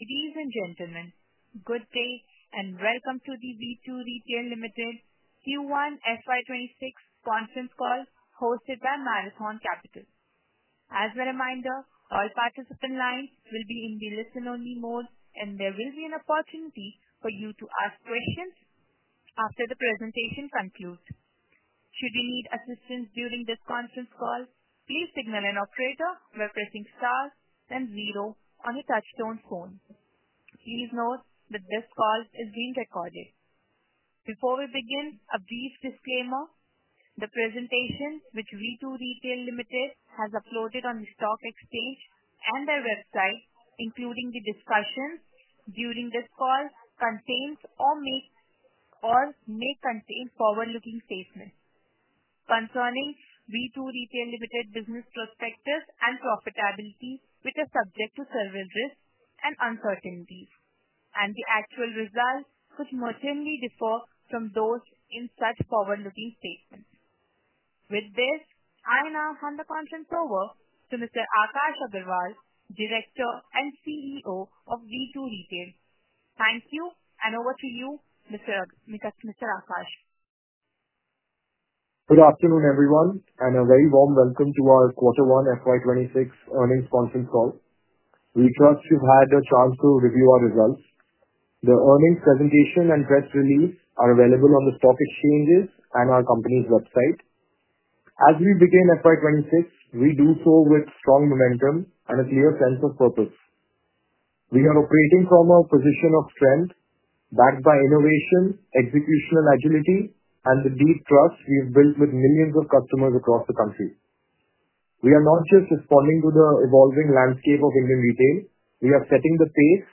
Ladies and gentlemen, good day and welcome to the V2 Retail Limited Q1 FY 2026 Conference Call hosted by Marathon Capital. As a reminder, all participant lines will be in the listen-only mode, and there will be an opportunity for you to ask questions after the presentation concludes. Should you need assistance during this conference call, please signal an operator by pressing star and zero on your touchtone phone. Please note that this call is being recorded. Before we begin, a brief disclaimer: the presentation which V2 Retail Limited has uploaded on the Stock Exchange and our website, including the discussion during this call, contains or may contain forward-looking statements concerning V2 Retail Limited's business perspective and profitability with respect to services and uncertainty, and the actual results could materially differ from those in such forward-looking statements. With this, I now hand the conference over to Mr. Akash Agarwal, Director and CEO of V2 Retail Limited. Thank you, and over to you, Mr. Akash. Good afternoon, everyone, and a very warm welcome to our Q1 FY 2026 earnings conference call. We trust you had a chance to review our results. The earnings presentation and press release are available on the stock exchanges and our company's website. As we begin FY 2026, we do so with strong momentum and a clear sense of purpose. We are operating from a position of strength, backed by innovation, executional agility, and the deep trust we've built with millions of customers across the country. We are not just responding to the evolving landscape of Indian retail; we are setting the pace.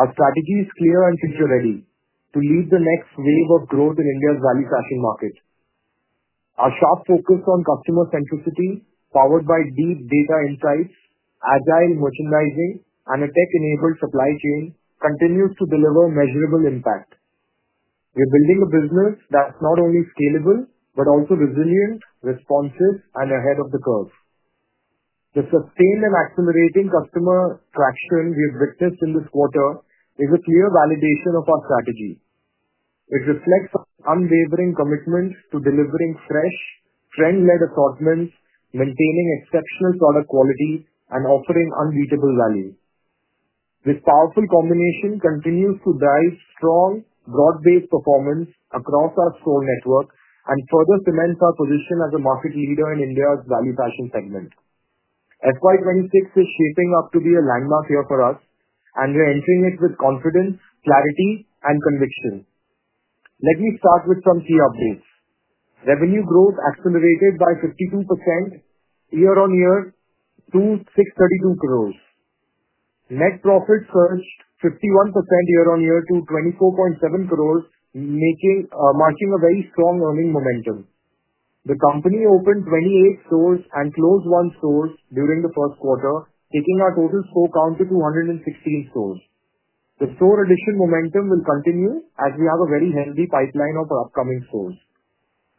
Our strategy is clear and future-ready to lead the next wave of growth in India's value-setting market. Our sharp focus on customer-centricity, powered by deep data insights, agile merchandising, and a tech-enabled supply chain, continues to deliver measurable impact. We are building a business that's not only scalable but also resilient, responsive, and ahead of the curve. The sustained and accelerating customer traction we have witnessed in this quarter is a clear validation of our strategy. It reflects unwavering commitments to delivering fresh, trend-led assortments, maintaining exceptional product quality, and offering unbeatable value. This powerful combination continues to drive strong, broad-based performance across our store network and further cements our position as a market leader in India's value-fashion segment. FY 2026 is shaping up to be a landmark year for us, and we are entering it with confidence, clarity, and conviction. Let me start with some key updates. Revenue growth accelerated by 52% year-on-year to 632 crore. Net profit surged 51% year-on-year to 24.7 crore, marking a very strong earning momentum. The company opened 28 stores and closed 1 store during the first quarter, taking our total store count to 216 stores. The store addition momentum will continue as we have a very heavy pipeline of upcoming stores.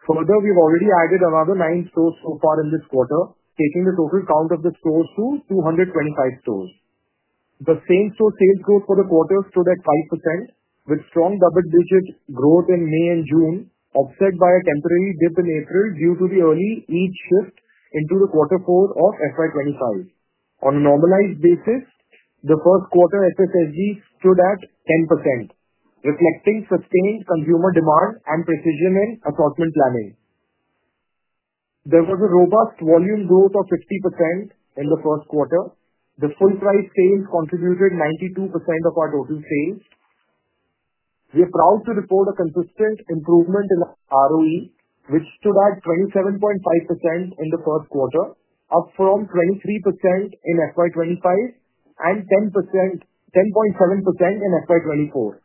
Further, we've already added another 9 stores so far in this quarter, taking the total count of the stores to 225 stores. The same-store sales growth for the quarter stood at 5%, with strong double-digit growth in May and June, offset by a temporary dip in April due to the early calendar shift into the quarter four of FY 2025. On a normalized basis, the first quarter SSSG stood at 10%, reflecting sustained consumer demand and precision in assortment planning. There was a robust volume growth of 50% in the first quarter. The full-size sales contributed 92% of our total sales. We are proud to report a consistent improvement in ROE, which stood at 27.5% in the first quarter, up from 23% in FY 2025 and 10.7% in FY 2024.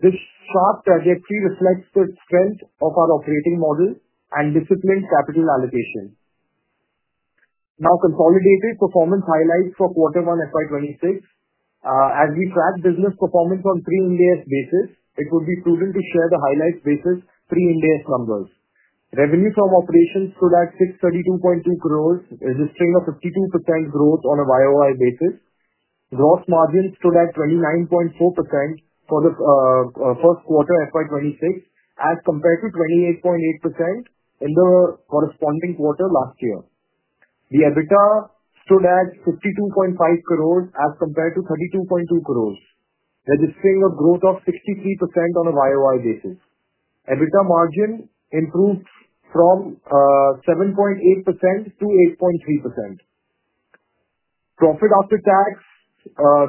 This sharp trajectory reflects the strength of our operating model and disciplined capital allocation. Now, consolidated performance highlights for Q1 FY 2026. As we track business performance on a pre-Ind AS basis, it would be prudent to share the highlights versus pre-Ind AS numbers. Revenue from operations stood at 632.2 crore, registering a 52% growth on a YoY basis. Gross margins stood at 29.4% for the first quarter of FY 2026 as compared to 28.8% in the corresponding quarter last year. The EBITDA stood at 52.5 crore as compared to 32.2 crore, registering a growth of 63% on a YoY basis. EBITDA margin improved from 7.8% to 8.3%. Profit after tax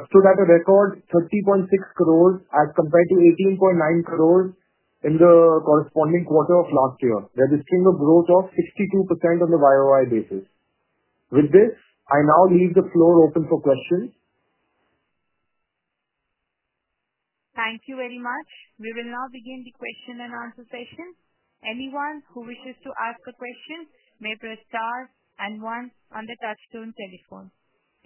stood at a record 30.6 crore as compared to 18.9 crore in the corresponding quarter of last year, registering a growth of 62% on the YoY basis. With this, I now leave the floor open for questions. Thank you very much. We will now begin the question and answer session. Anyone who wishes to ask a question may press star and one on the touchtone telephone.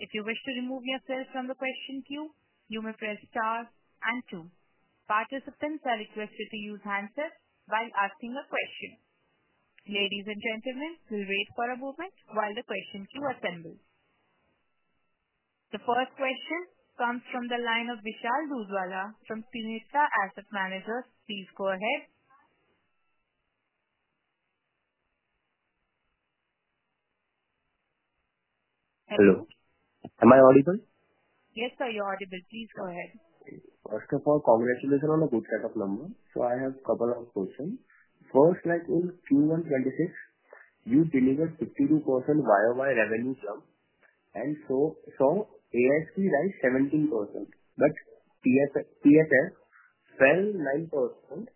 If you wish to remove yourself from the question queue, you may press star and two. Participants are requested to use hands up while asking a question. Ladies and gentlemen, we'll wait for a moment while the question queue assembles. The first question comes from the line of Vishal Dudhwala from Trinetra Asset Managers. Please go ahead. Hello. Am I audible? Yes, sir, you're audible. Please go ahead. First of all, congratulations on a good set of numbers. I have covered our question. First, like in Q1 2026, you delivered 52% YoY revenue jump and saw ASP rise 17%, but PFS fell 9%.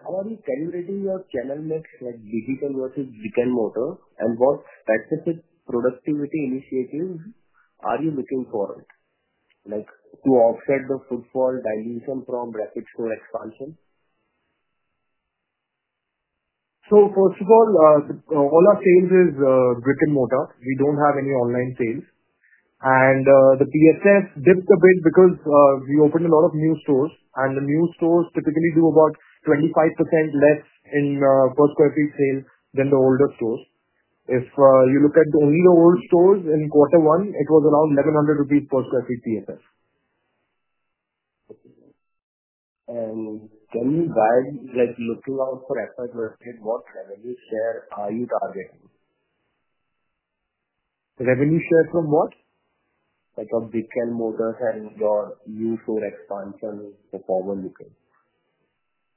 How are you calibrating your channel mix like digital versus brick-and-mortar? What specific productivity initiatives are you looking for to offset the footfall dilution from rapid store expansion? First of all, all our sales is brick-and-mortar. We don't have any online sales. The PFS dipped a bit because we opened a lot of new stores, and the new stores typically do about 25% less in per-quarterly sales than the older stores. If you look at only the old stores in quarter one, it was around 1,100 rupees per quarterly PFS. Can you guide, looking out for FY 2026, what revenue share are you targeting? Revenue share from what? Like from brick-and-mortar your new store expansion for forward looking?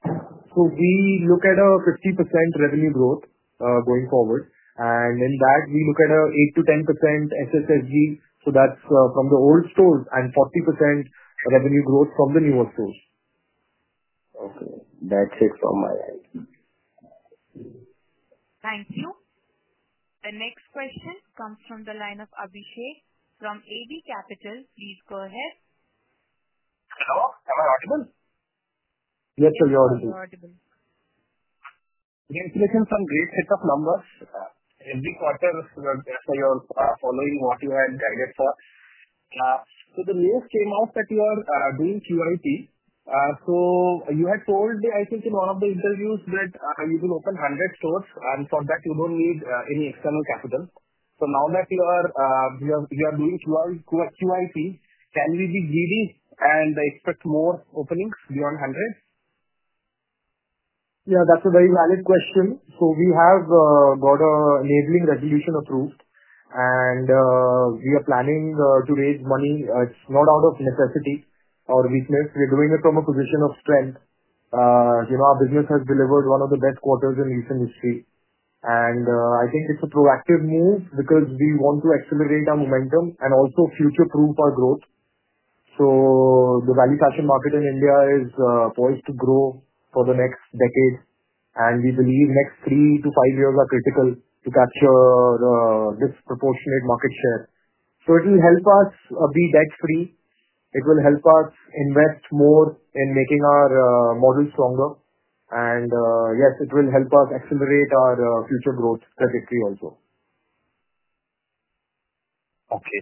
We look at a 50% revenue growth going forward. In that, we look at an 8% to 10% SSSG, that's from the old stores, and 40% revenue growth from the newer stores. Okay, that's it from my end. Thank you. The next question comes from the line of Abhishek from AB Capital. Please go ahead. Hello. Am I audible? Yes, sir. You're audible. You're audible. Congratulations on great set of numbers. Every quarter you're following what you had guided for. The news came out that you are doing QIP. You had told, I think, in one of the interviews that you will open 100 stores and thought that you don't need any external capital. Now that you are doing QIP, can we be greedy and expect more openings beyond 100? Yeah, that's a very valid question. We have got an enabling resolution approved, and we are planning to raise money. It's not out of necessity or weakness. We're doing it from a position of strength. You know, our business has delivered one of the best quarters in this industry. I think it's a proactive move because we want to accelerate our momentum and also future-proof our growth. The value-passion market in India is going to grow for the next decade. We believe the next three to five years are critical to capture this proportionate market share. It will help us be debt-free. It will help us invest more in making our model stronger. Yes, it will help us accelerate our future growth trajectory also. Okay.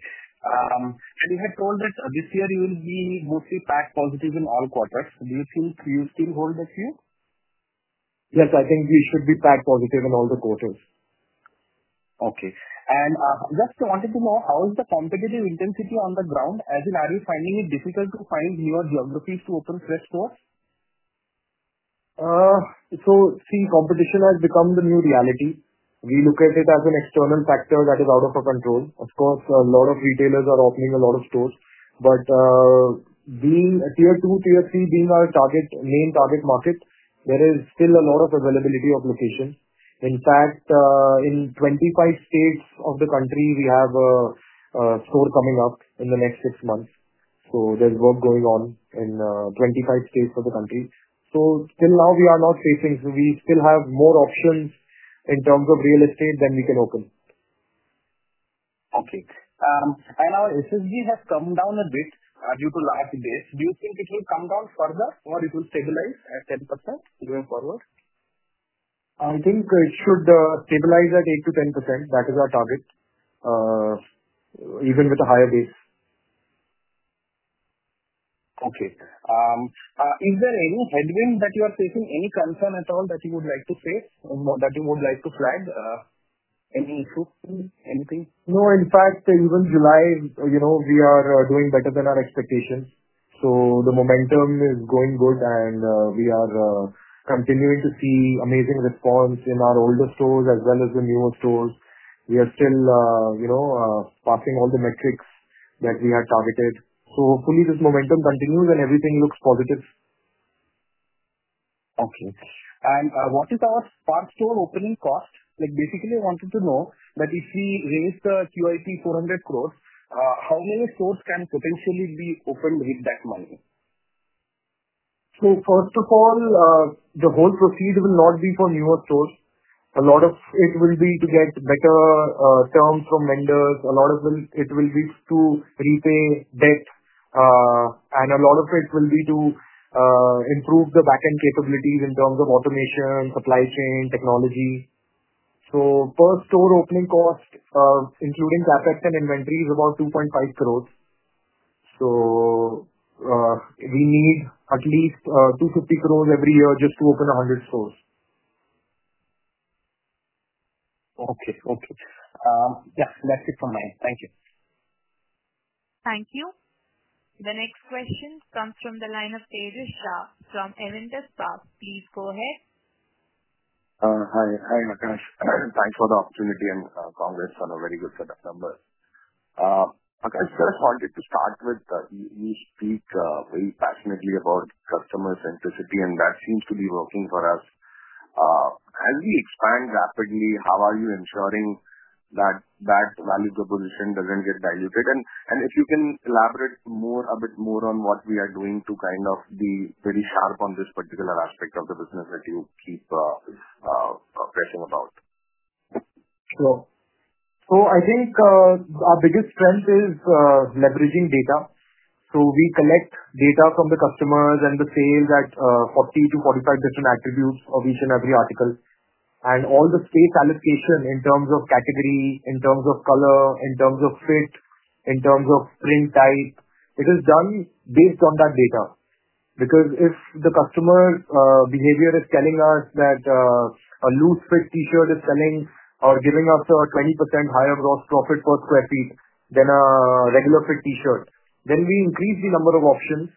You had told us this year you will be mostly PAT positive in all quarters. Do you think you still hold that view? Yes, I think we should be PAT positive in all the quarters. Okay. I just wanted to know, how is the competitive intensity on the ground? As in, are you finding it difficult to find newer geographies to open fresh stores? Competition has become the new reality. We look at it as an external factor that is out of our control. Of course, a lot of retailers are opening a lot of stores. Being a Tier 2, Tier 3, being our main target market, there is still a lot of availability of location. In fact, in 25 states of the country, we have a store coming up in the next six months. There is work going on in 25 states of the country. Till now, we are not facing. We still have more options in terms of real estate than we can open. Okay. I know SSG has come down a bit due to large base. Do you think it will come down further or it will stabilize at 10% going forward? I think it should stabilize at 8% to 10%. That is our target, even with a higher base. Okay. Is there any headwind that you are facing? Any concern at all that you would like to face or that you would like to flag? Any issue? Anything? No. In fact, even July, we are doing better than our expectations. The momentum is going good, and we are continuing to see amazing response in our older stores as well as the newer stores. We are still passing all the metrics that we have targeted. Hopefully, this momentum continues and everything looks positive. Okay. What is our first store opening cost? Basically, I wanted to know that if we raise the QIP 400 crores, how many stores can potentially be opened with that money? First of all, the whole proceed will not be for newer stores. A lot of it will be to get better terms from vendors, a lot of it will be to repay debt, and a lot of it will be to improve the backend capabilities in terms of automation, supply chain, and technology. Per store opening cost, including CapEx and inventory, is about 2.5 crore. We need at least 250 crore every year just to open 100 stores. Okay. Okay. That's it from my end. Thank you. Thank you. The next question comes from the line of Tejesh Shah from Avendus Park. Please go ahead. Hi. Hi, Akash. Thanks for the opportunity and congrats on a very good set of numbers. I first wanted to start with you speak very passionately about customer-centricity, and that seems to be working for us. As we expand rapidly, how are you ensuring that that value proposition doesn't get diluted? If you can elaborate a bit more on what we are doing to kind of be pretty sharp on this particular aspect of the business that you keep talking about? Sure. I think our biggest strength is leveraging data. We collect data from the customers and we say that 40 to 45 different attributes of each and every article. All the space allocation in terms of category, in terms of color, in terms of fit, in terms of print type, is done based on that data. If the customer behavior is telling us that a loose fit T-shirt is selling or giving us a 20% higher gross profit per square feet than a regular fit T-shirt, then we increase the number of options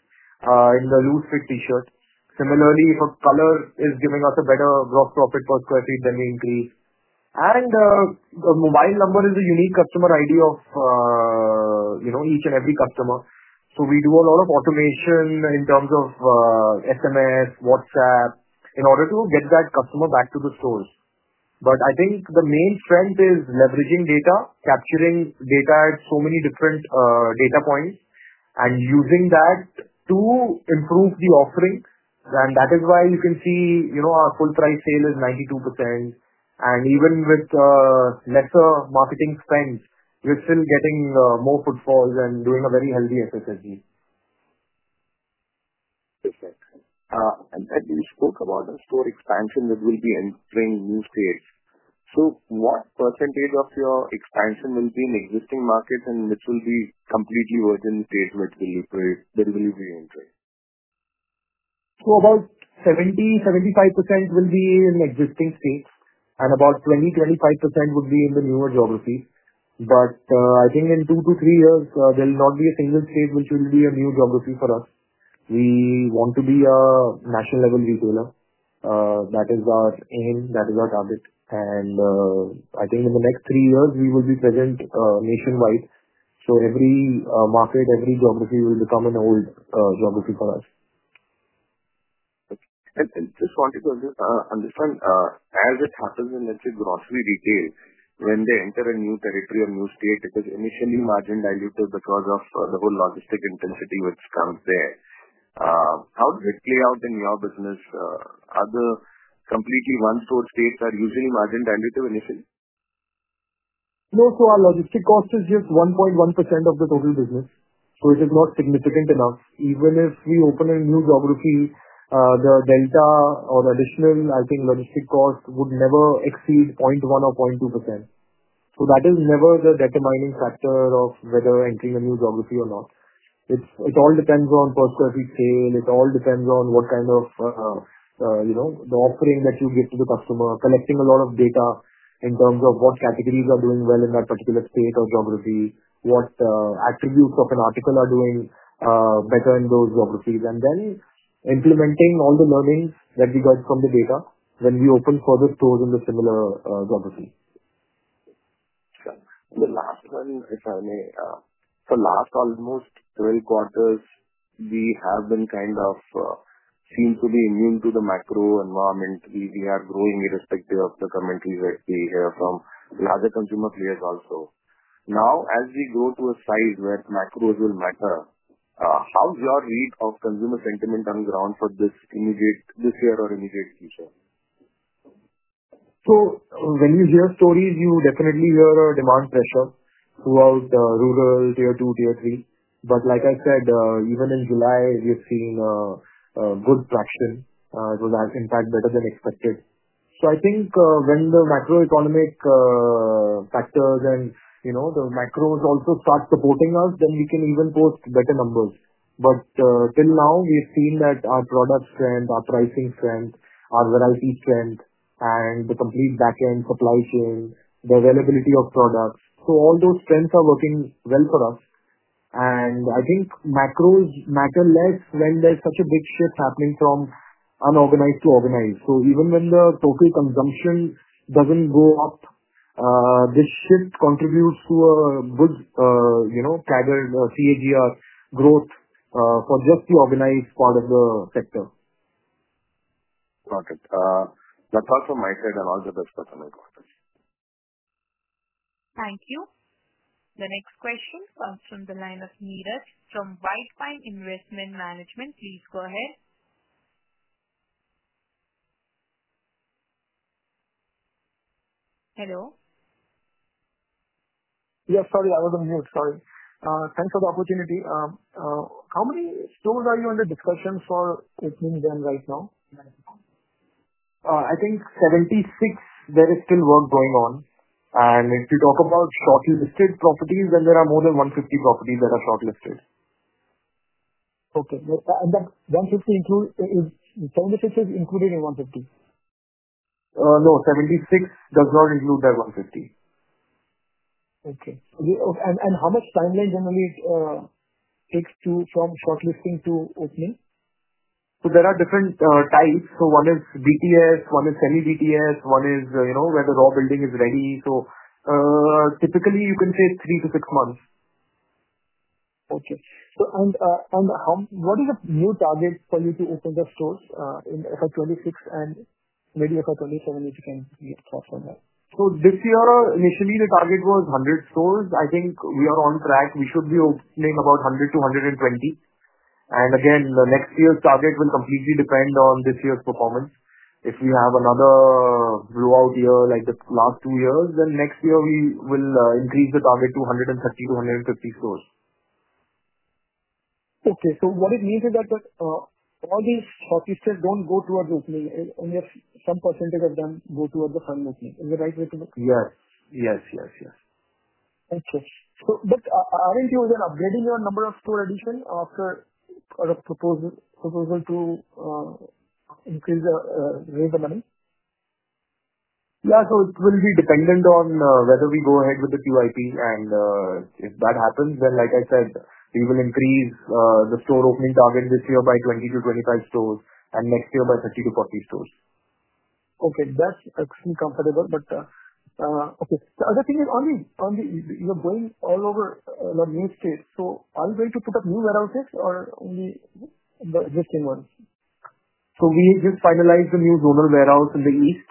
in the loose fit T-shirt. Similarly, if a color is giving us a better gross profit per square feet, then we increase. The mobile number is a unique customer ID of each and every customer. We do a lot of automation in terms of SMS, WhatsApp in order to get that customer back to the stores. I think the main strength is leveraging data, capturing data at so many different data points, and using that to improve the offering. That is why you can see our full-price sale is 92%. Even with lesser marketing spends, we're still getting more footfalls and doing a very healthy SSSG. Interesting. You spoke about a store expansion that will be entering new states. What percentage of your expansion will be in existing markets and which will be completely new states? What do you believe you will enter? About 70%-75% will be in existing states, and about 20%-25% would be in the newer geography. I think in two to three years, there will not be a single state which will be a new geography for us. We want to be a national-level retailer. That is our aim. That is our target. I think in the next three years, we will be present nationwide. Every market, every geography will become an old geography for us. I just wanted to understand, as it happens in the grocery retail, when they enter a new territory or new state, it is initially margin dilutive because of the whole logistic intensity which comes there. How does it play out in your business? Are the completely one-store states that are using margin dilutive initially? No. Our logistic cost is just 1.1% of the total business, which is not significant enough. Even if we open a new geography, the delta or additional logistic cost would never exceed 0.1% or 0.2%. That is never the determining factor of whether we're entering a new geography or not. It all depends on per-quarterly sale. It all depends on what kind of, you know, the offering that you give to the customer, collecting a lot of data in terms of what categories are doing well in that particular state or geography, what attributes of an article are doing better in those geographies, and then implementing all the learning that we got from the data when we open further stores in the similar geography. Sure. The last one, if I may, for the last almost 12 quarters, we have been kind of seen to be immune to the macro environment. We are growing irrespective of the commentary that we hear from larger consumer players also. Now, as we grow to a size where macros will matter, how is your read of consumer sentiment on the ground for this immediate this year or immediate future? When you hear stories, you definitely hear a demand pressure throughout the rural Tier 2, Tier 3. Like I said, even in July, we're seeing a good traction. It was, in fact, better than expected. I think when the macroeconomic factors and the macros also start supporting us, we can even post better numbers. Till now, we've seen that our product strength, our pricing strength, our variety strength, and the complete backend supply chain, the availability of products, all those strengths are working well for us. I think macros matter less when there's such a big shift happening from unorganized to organized. Even when the total consumption doesn't go up, this shift contributes to a good CAGR growth for just the organized part of the sector. Got it. That's all from my side. I wanted to discuss some important things. Thank you. The next question comes from the line of Niraj from White Pine Investment Management. Please go ahead. Hello. Sorry, I was on mute. Sorry. Thanks for the opportunity. How many stores are you in the discussion for between them right now? I think 76. There is still work going on. If you talk about shortlisted properties, there are more than 150 properties that are shortlisted. Okay. Is that 76 included in 150? No, 76 does not include that 150. Okay, how much timeline generally takes to from shortlisting to opening? There are different times. One is BTS, one is semi-BTS, one is where the raw building is ready. Typically, you can say three to six months. Okay. What is the new target for you to open the stores in FY 2026 and maybe FY 2027 if you can talk on that? This year, initially, the target was 100 stores. I think we are on track. We should be opening about 100 to 120. The next year's target will completely depend on this year's performance. If we have another blowout year like the last two years, then next year we will increase the target to 130 to 150 stores. Okay. What it means is that all these shortlisted don't go towards opening. Only some percentage of them go towards the opening. Is that the right way to look at it? Yes, yes. Okay. But aren't you upgrading your number of store additions after a proposal to increase the, raise the money? Yeah, it will be dependent on whether we go ahead with the QIP. If that happens, like I said, we will increase the store opening target this year by 20 to 25 stores and next year by 30 to 40 stores. Okay, that's extremelly comfortable. The other thing is only you're going all over a lot of new space. Are you going to put up new warehouses or only the existing ones? We just finalized the new zonal warehouse in the east.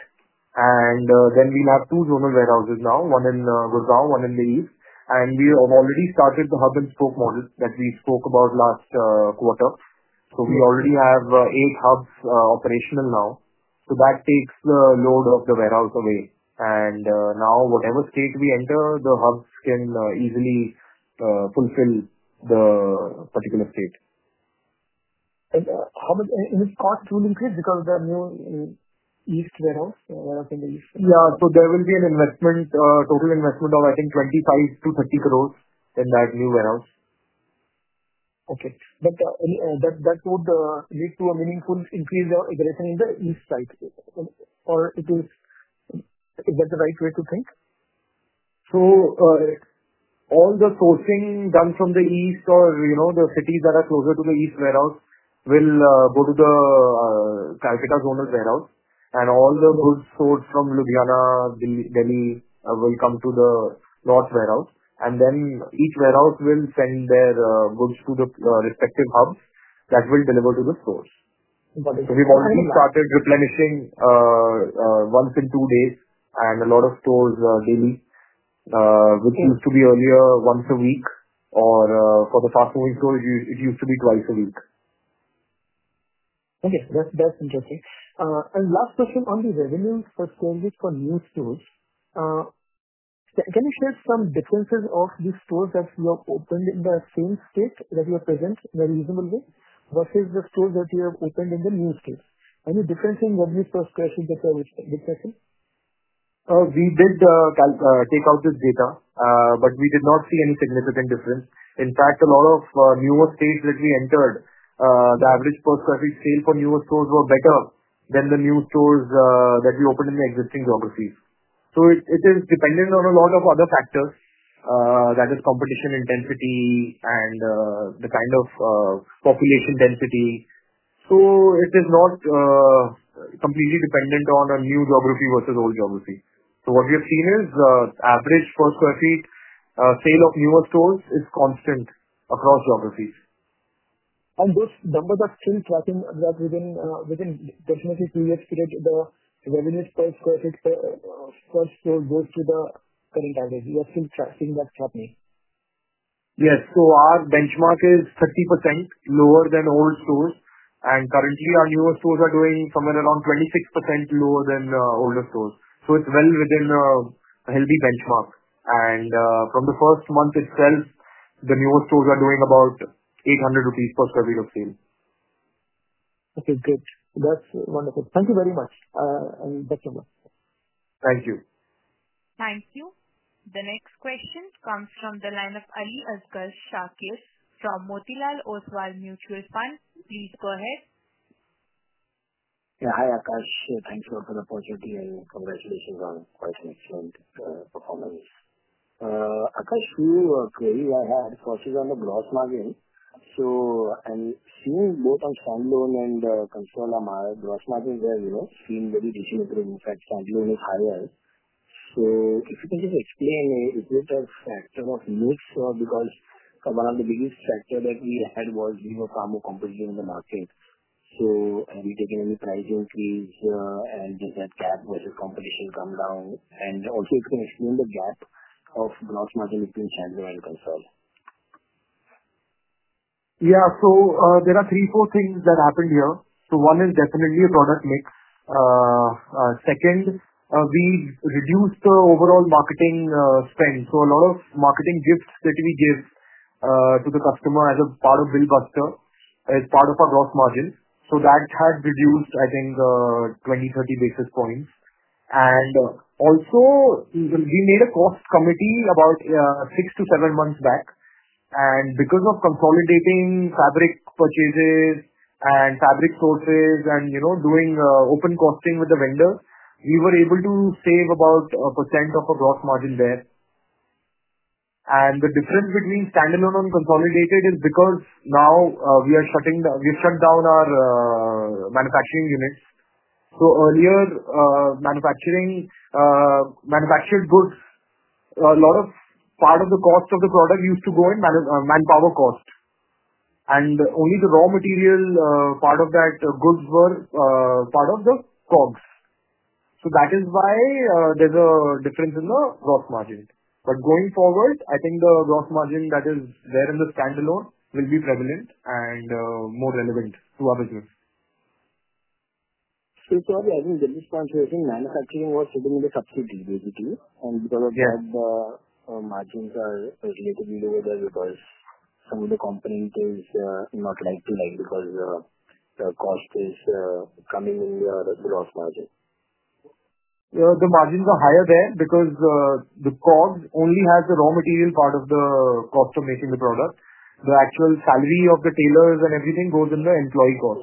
We have two zonal warehouses now, one in Gurgaon and one in the East. We have already started the hub and spoke model that we spoke about last quarter. We already have eight hubs operational now, which takes the load of the warehouse away. Now, whatever state we enter, the hub can easily fulfill the particular state. How much is this cost to increase because of the new East warehouse, warehouse in the East? There will be an investment, total investment of, I think, 25 to 30 crore in that new warehouse. Okay, that would lead to a meaningful increase in the east side. Is that the right way to think? All the sourcing done from the east or the cities that are closer to the East warehouse will go to the Calcutta zonal warehouse. All the goods sourced from Ludhiana, Delhi will come to the North warehouse. Each warehouse will send their goods to the respective hubs that will deliver to the stores. Got it. We have already started replenishing once in two days and a lot of stores daily, which used to be earlier once a week. For the fast-moving stores, it used to be twice a week. Okay. That's interesting. Last question on the revenue per square meter for new stores. Can you share some differences of the stores that you have opened in the same state that you are present in a reasonable way versus the stores that you have opened in the new state? Are you differencing revenue per square meter? We did take out this data, but we did not see any significant difference. In fact, a lot of newer states that we entered, the average per square meter sale for newer stores was better than the new stores that we opened in the existing geographies. It is dependent on a lot of other factors, that is competition intensity and the kind of population density. It is not completely dependent on a new geography versus old geography. What we have seen is the average per square feet sale of newer stores is constant across geographies. Those numbers are still tracking that within approximately two years, the revenue per square feet per store goes to the current average. You are still tracking that happening. Yes. Our benchmark is 30% lower than old stores, and currently, our newer stores are going somewhere around 26% lower than older stores. It is well within a healthy benchmark. From the first month itself, the newer stores are doing about 800 rupees per square meter sale. Okay, good. That's wonderful. Thank you very much. Thank you. Thank you. The next question comes from the line of Aliasgar Shakir from Motilal Oswal Mutual Fund. Please go ahead. Yeah. Hi, Akash. Thanks for the opportunity, and congratulations on quite excellent performance. Akash, few queries I had. First is on the gross margin. I am seeing both on stand alone and console, our gross margins have seen very decent improvements. In fact, stand alone is higher. If you can just explain, is it a factor of mix or because one of the biggest factor that we had was we were far more competitive in the market. So have we taken any price increase and does that gap versus competition come down? And also if you can explain the gap of gross margin between stand-alone and consol? There are three, four things that happened here. One is definitely a product mix. Second, we reduced the overall marketing spend. A lot of marketing gifts that we give to the customer as a part of BillBuster is part of our gross margins. That had reduced, I think, 20, 30 basis points. Also, we made a cost committee about six to seven months back. Because of consolidating fabric purchases and fabric sources and, you know, doing open costing with the vendor, we were able to save about 1% of our gross margin there. The difference between standalone and consolidated is because now, we are shutting down our manufacturing units. Earlier, manufacturing manufactured goods, a lot of part of the cost of the product used to go in manpower cost. Only the raw material part of that goods were part of the costs. That is why there's a difference in the gross margin. Going forward, I think the gross margin that is there in the standalone will be prevalent and more relevant to our business. So sorry, I didn't get this point. I think the difference was in manufacturing was sitting in the subsidy, basically. Because of that, the margins are, you could be lower there because some of the companies are not like to like because the cost is coming in the gross margin. The margins are higher there because the cost only has the raw material part of the cost of making the product. The actual salary of the tailors and everything goes in the employee cost.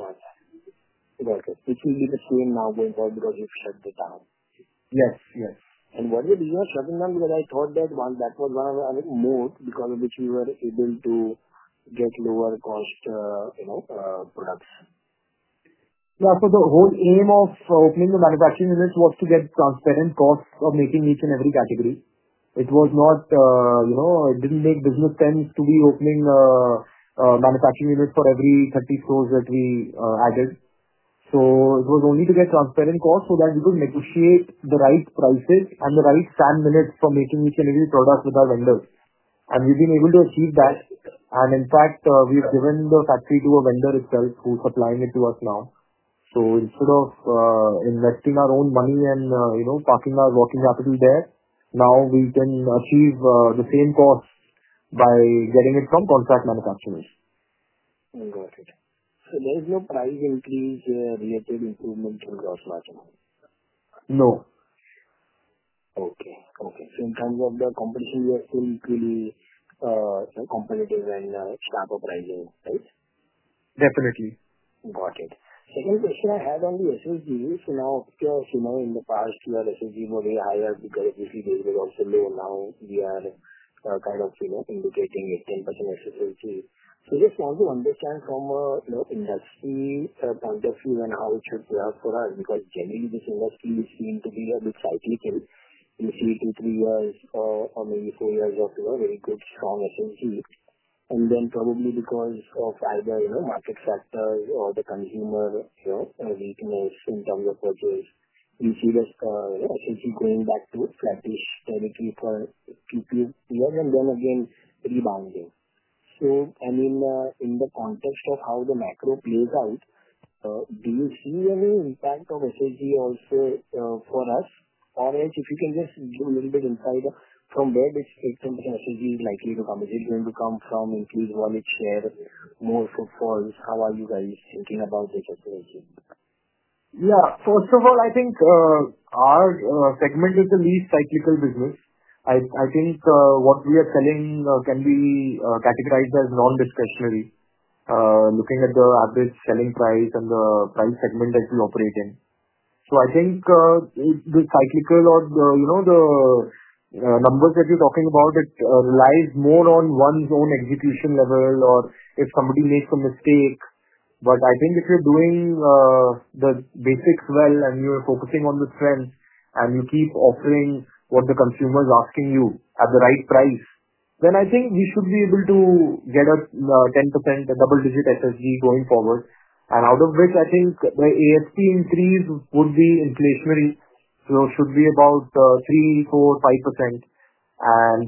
Got it. Which will be the same now because of the sales account. Yes, yes. What did you have said to them? I thought that that was one of the more because of which we were able to get lower cost, you know, production. Yeah. The whole aim of opening the manufacturing units was to get transparent costs of making each and every category. It was not, you know, it didn't make business sense to be opening a manufacturing unit for every 30 stores that we added. It was only to get transparent costs so that we could negotiate the right prices and the right sand minutes for making each and every product with our vendors. We've been able to achieve that. In fact, we've given the factory to a vendor itself who's supplying it to us now. Instead of investing our own money and, you know, parking our working capital there, now we can achieve the same costs by getting it from contract manufacturers. Got it. There's no price increase or relative improvement from your side? No. Okay. In terms of the competition, you are still clearly competitive and sharp on pricing, right? Definitely. Got it. Second question I had on the SSG. In the past, the SSG model has become basically low. Now we are kind of indicating a SSG. I just want to understand from the industry perspective and how it has worked for us because generally, this industry seems to be a bit shy to change in two to three years or maybe four years after a very good, strong opportunity. Probably because of either market trust or the consumer needs more in terms of purchasing, you see those, we see going back to 33% and then again, rebounding. I mean, in the context of how the macro plays out, do you see any impact of SSG also for us? If you can just go a little bit inside from where this system strategy is likely to come from, if you want to share more footfalls, how are you guys thinking about SSG? Yeah. First of all, I think our segment is the least cyclical business. I think what we are selling can be categorized as non-retractory, looking at the average selling price and the price segment that we operate in. I think the cyclical or, you know, the numbers that you're talking about, it relies more on one's own execution level or if somebody makes a mistake. I think if you're doing the basics well and you're focusing on the trend and you keep offering what the consumer is asking you at the right price, then I think we should be able to get a 10%, a double-digit SSG going forward. Out of which, I think the ASP increase would be in placement. It should be about 3%, 4%, 5%.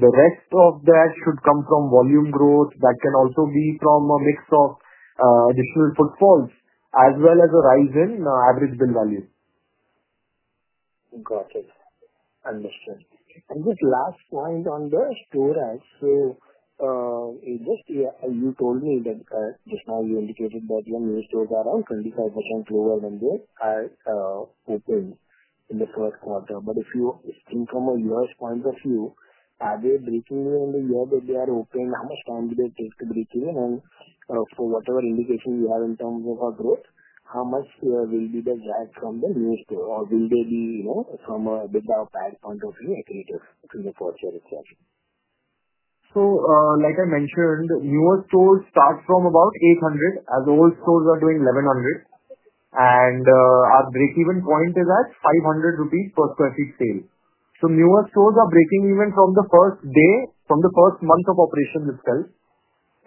The rest of that should come from volume growth. That can also be from a mix of different footfalls as well as a rise in average bill value. Got it. Understood. Just last point on the storage. You told me that now you indicated about one year ago around 25% lower than they are open in the first quarter. If you think from a U.S. point of view, are they breaking in the year that they are open? How much time do they take to break in and for whatever indication you have in terms of our growth? How much will be the lag from the new store? Will they be, you know, from a bigger fact point of view, just in the first year itself? Like I mentioned, newer stores start from about 800 as old stores are doing 1100. Our break-even point is at 500 rupees per square feet sale. Newer stores are breaking even from the first day, from the first month of operation itself.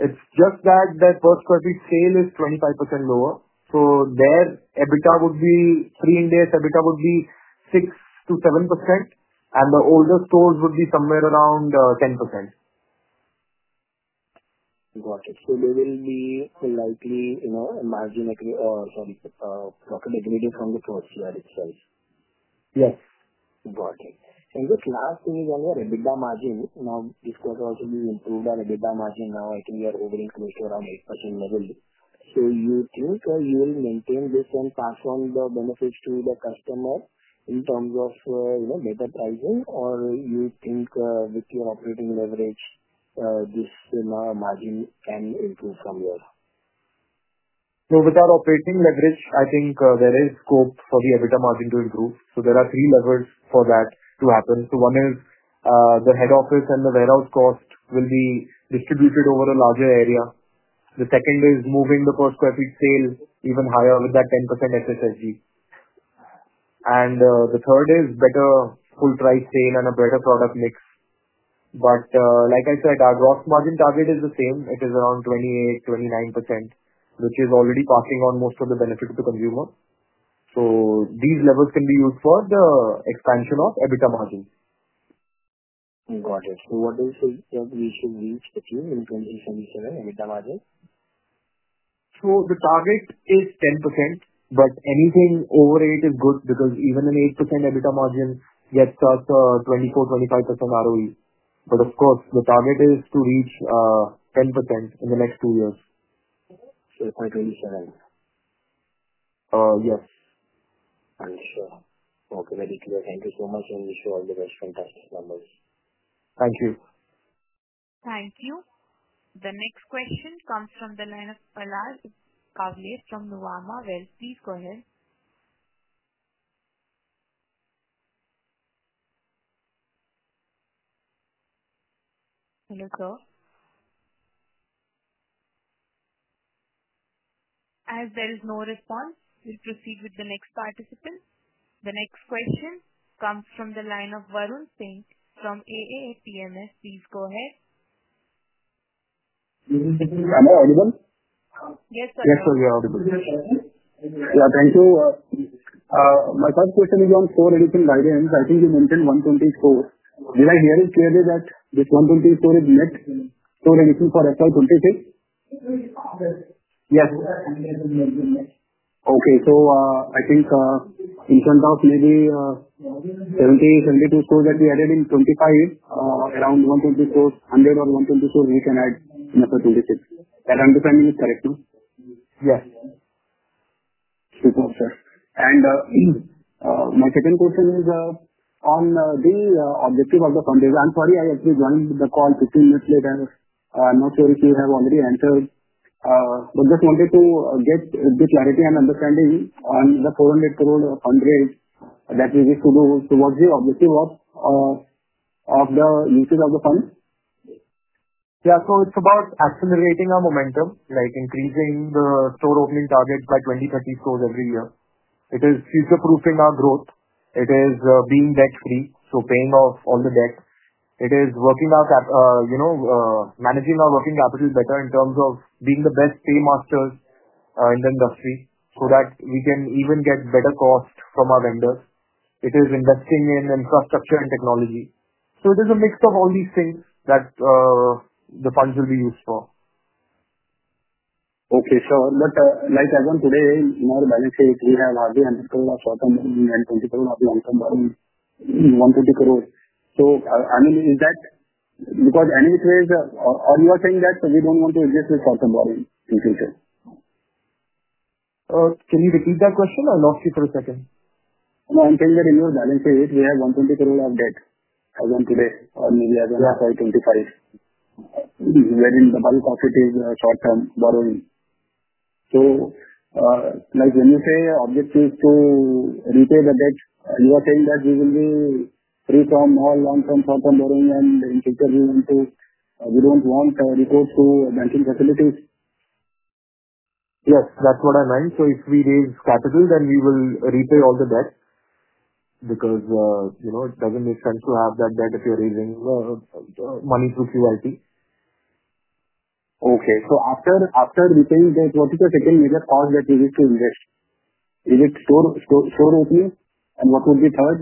It's just that per square feet sale is 25% lower. Their EBITDA would be pre-index EBITDA would be 6% to 7%. The older stores would be somewhere around 10%. Got it. They will be slightly, you know, margin accretive from the first year itself. Yes. Got it. Just last thing is on your EBITDA margin. Now, because of the improved EBITDA margin now, I think you are hovering close to around 8%. Do you think you will maintain this and pass on the benefits to the customer in terms of, you know, better pricing? Do you think with your operating leverage, this margin can improve from yours? With our operating leverage, I think there is scope for the EBITDA margin to improve. There are three levers for that to happen. One is, the head office and the warehouse cost will be distributed over a larger area. The second is moving the per square feet sale even higher with that 10% SSSG. The third is better full-price sale and a better product mix. Like I said, our gross margin target is the same. It is around 28%-29%, which is already passing on most of the benefits to the consumer. These levers can be used for the expansion of EBITDA margins. Got it. What do you think you should use between 20%-27% EBITDA margin? The target is 10%, but anything over 8% is good because even an 8% EBITDA margin gets us a 24% or 25% ROE. Of course, the target is to reach 10% in the next two years. It’s quite reassuring. Yes. Understood. Okay. Very clear. Thank you so much. This is for all the rest contact numbers. Thank you. Thank you. The next question comes from the line of Pallas Kavli from Luwamar. Please go ahead. Hello, sir. As there is no response, we'll proceed with the next participant. The next question comes from the line of Varun Singh from AAA PMS. Please go ahead. Excuse me, are you available? Yes, sir. Yes, sir. You're audible. Thank you. My first question is on core editing guidelines. I think you mentioned 124. Did I hear it clearly that 124 is needed for editing for record 2026? Yes. Okay. I think in terms of maybe 70, 72 stores that we added in 2025, around 100 of 124 we can add in FY 2026. I'm defending it correctly. Yes. Super, sir. My second question is on the objective of the country. I'm sorry I just joined the call 15 minutes late, and I'm not sure if you have already answered. I just wanted to get a bit of clarity and understanding on the 400 crore fund raise that we wish to do towards the objective of the usage of the fund. Yeah. It's about accelerating our momentum, like increasing the store opening target by 20, 30 stores every year. It is future-proofing our growth. It is being debt-free, so paying off all the debt. It is managing our working capital better in terms of being the best paymasters in the industry so that we can even get better costs from our vendors. It is investing in infrastructure and technology. It is a mix of all these things that the funds will be used for. Okay. As of today, in our balance sheet, we have a larger 100 crore of short-term borrowing and 20 crore of long-term borrowing, 130 crore. Is that because any reason that you are saying that you don't want to exist with short-term borrowing? Can you repeat that question? I lost you for a second. I'm saying that in your balance sheet, we have 120 crore of debt. Oh, 120 have also INR 25 million, which is within the public office short-term borrowing. When you say your objective is to repay the debt, you are saying that we will be free from all long-term, short-term borrowing, and in the future, we don't want to repair banking facilities. Yes, that's what I like. If we raise capital, then we will repay all the debt because, you know, it doesn't make sense to have that debt if you're raising money through QIP. Okay. After repaying that, what is the second major cause that you wish to resist? Is it store opening? What would be third?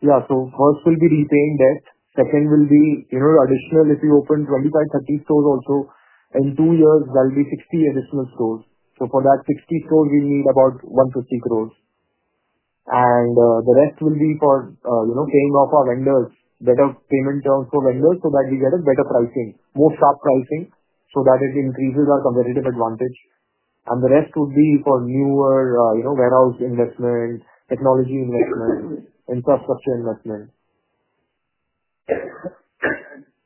Yeah. First will be repaying debt. Second will be, you know, additional if we open 25, 30 stores also. In two years, there will be 60 additional stores. For that 60 stores, we need about 150 crore. The rest will be for, you know, paying off our vendors, better payment terms for vendors so that we get a better pricing, more sharp pricing, so that it increases our competitive advantage. The rest would be for newer, you know, warehouse investment, technology investment, infrastructure investment.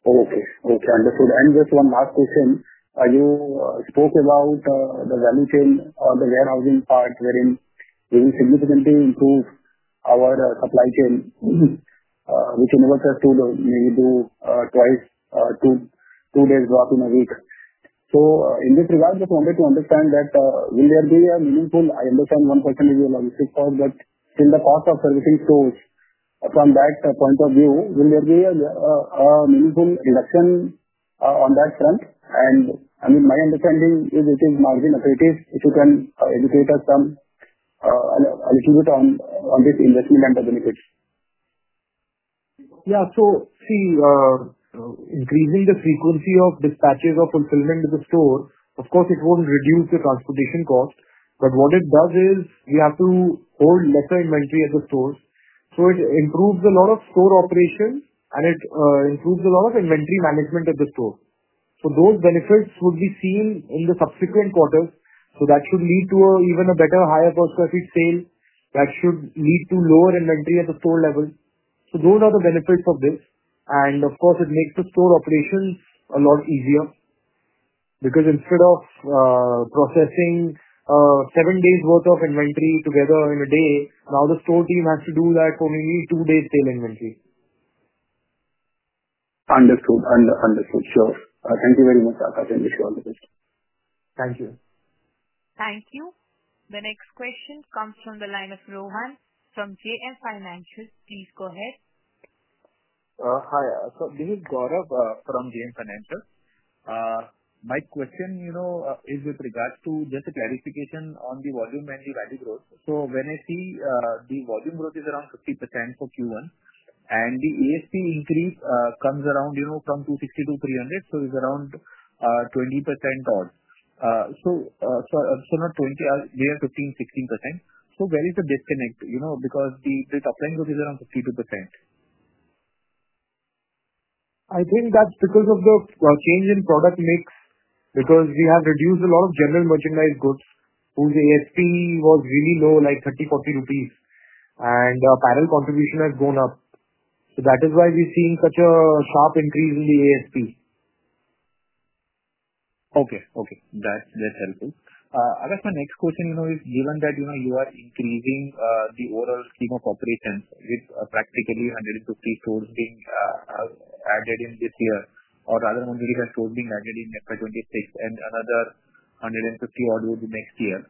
Okay. Understood. Just one last question. You spoke about the value chain or the warehousing part wherein we will significantly improve our supply chain, which in order to maybe do twice to two days' work in a week. In this regard, just wanted to understand that will there be a meaningful, I understand one question is your logistics cost, but since the cost of servicing stores from that point of view, will there be a meaningful investment on that front? My understanding is it is margin equity. If you can educate us some, a little bit on this investment and the benefits. Yeah. See, increasing the frequency of dispatches or fulfillment at the store, of course, will reduce your transportation cost. What it does is you have to hold lesser inventory at the store. It improves a lot of store operations, and it improves a lot of inventory management at the store. Those benefits would be seen in the subsequent quarters. That could lead to even a better, higher per square feet sale. That should lead to lower inventory at the store level. Those are the benefits of this. Of course, it makes the store operation a lot easier because instead of processing seven days' worth of inventory together in a day, now the store team has to do that only two days' sale inventory. Understood. Understood. Sure. Thank you very much, Akash. I think this is all the questions. Thank you. Thank you. The next question comes from the line of Jogani from JM Financial. Please go ahead. Hi. This is Gaurav from JM Financial. My question is with regards to just a clarification on the volume and the revenue growth. When I see the volume growth is around 50% for Q1, and the ASP increase comes around, you know, from 250 to 300, so it's around 20% odd. Not 20, they are 15, 16%. Where is the disconnect, because the top line growth is around 52%? I think that's because of the change in product mix, because we have reduced a lot of general merchandise goods whose ASP was really low, like 30 rupees, INR 40. Panel contribution has gone up, which is why we're seeing such a sharp increase in the ASP. Okay. That's helpful. I guess my next question is, given that you are increasing the overall scheme of operations with practically 150 stores being added in this year, or rather only the stores being added in FY2026, and another 150 odd would be next year,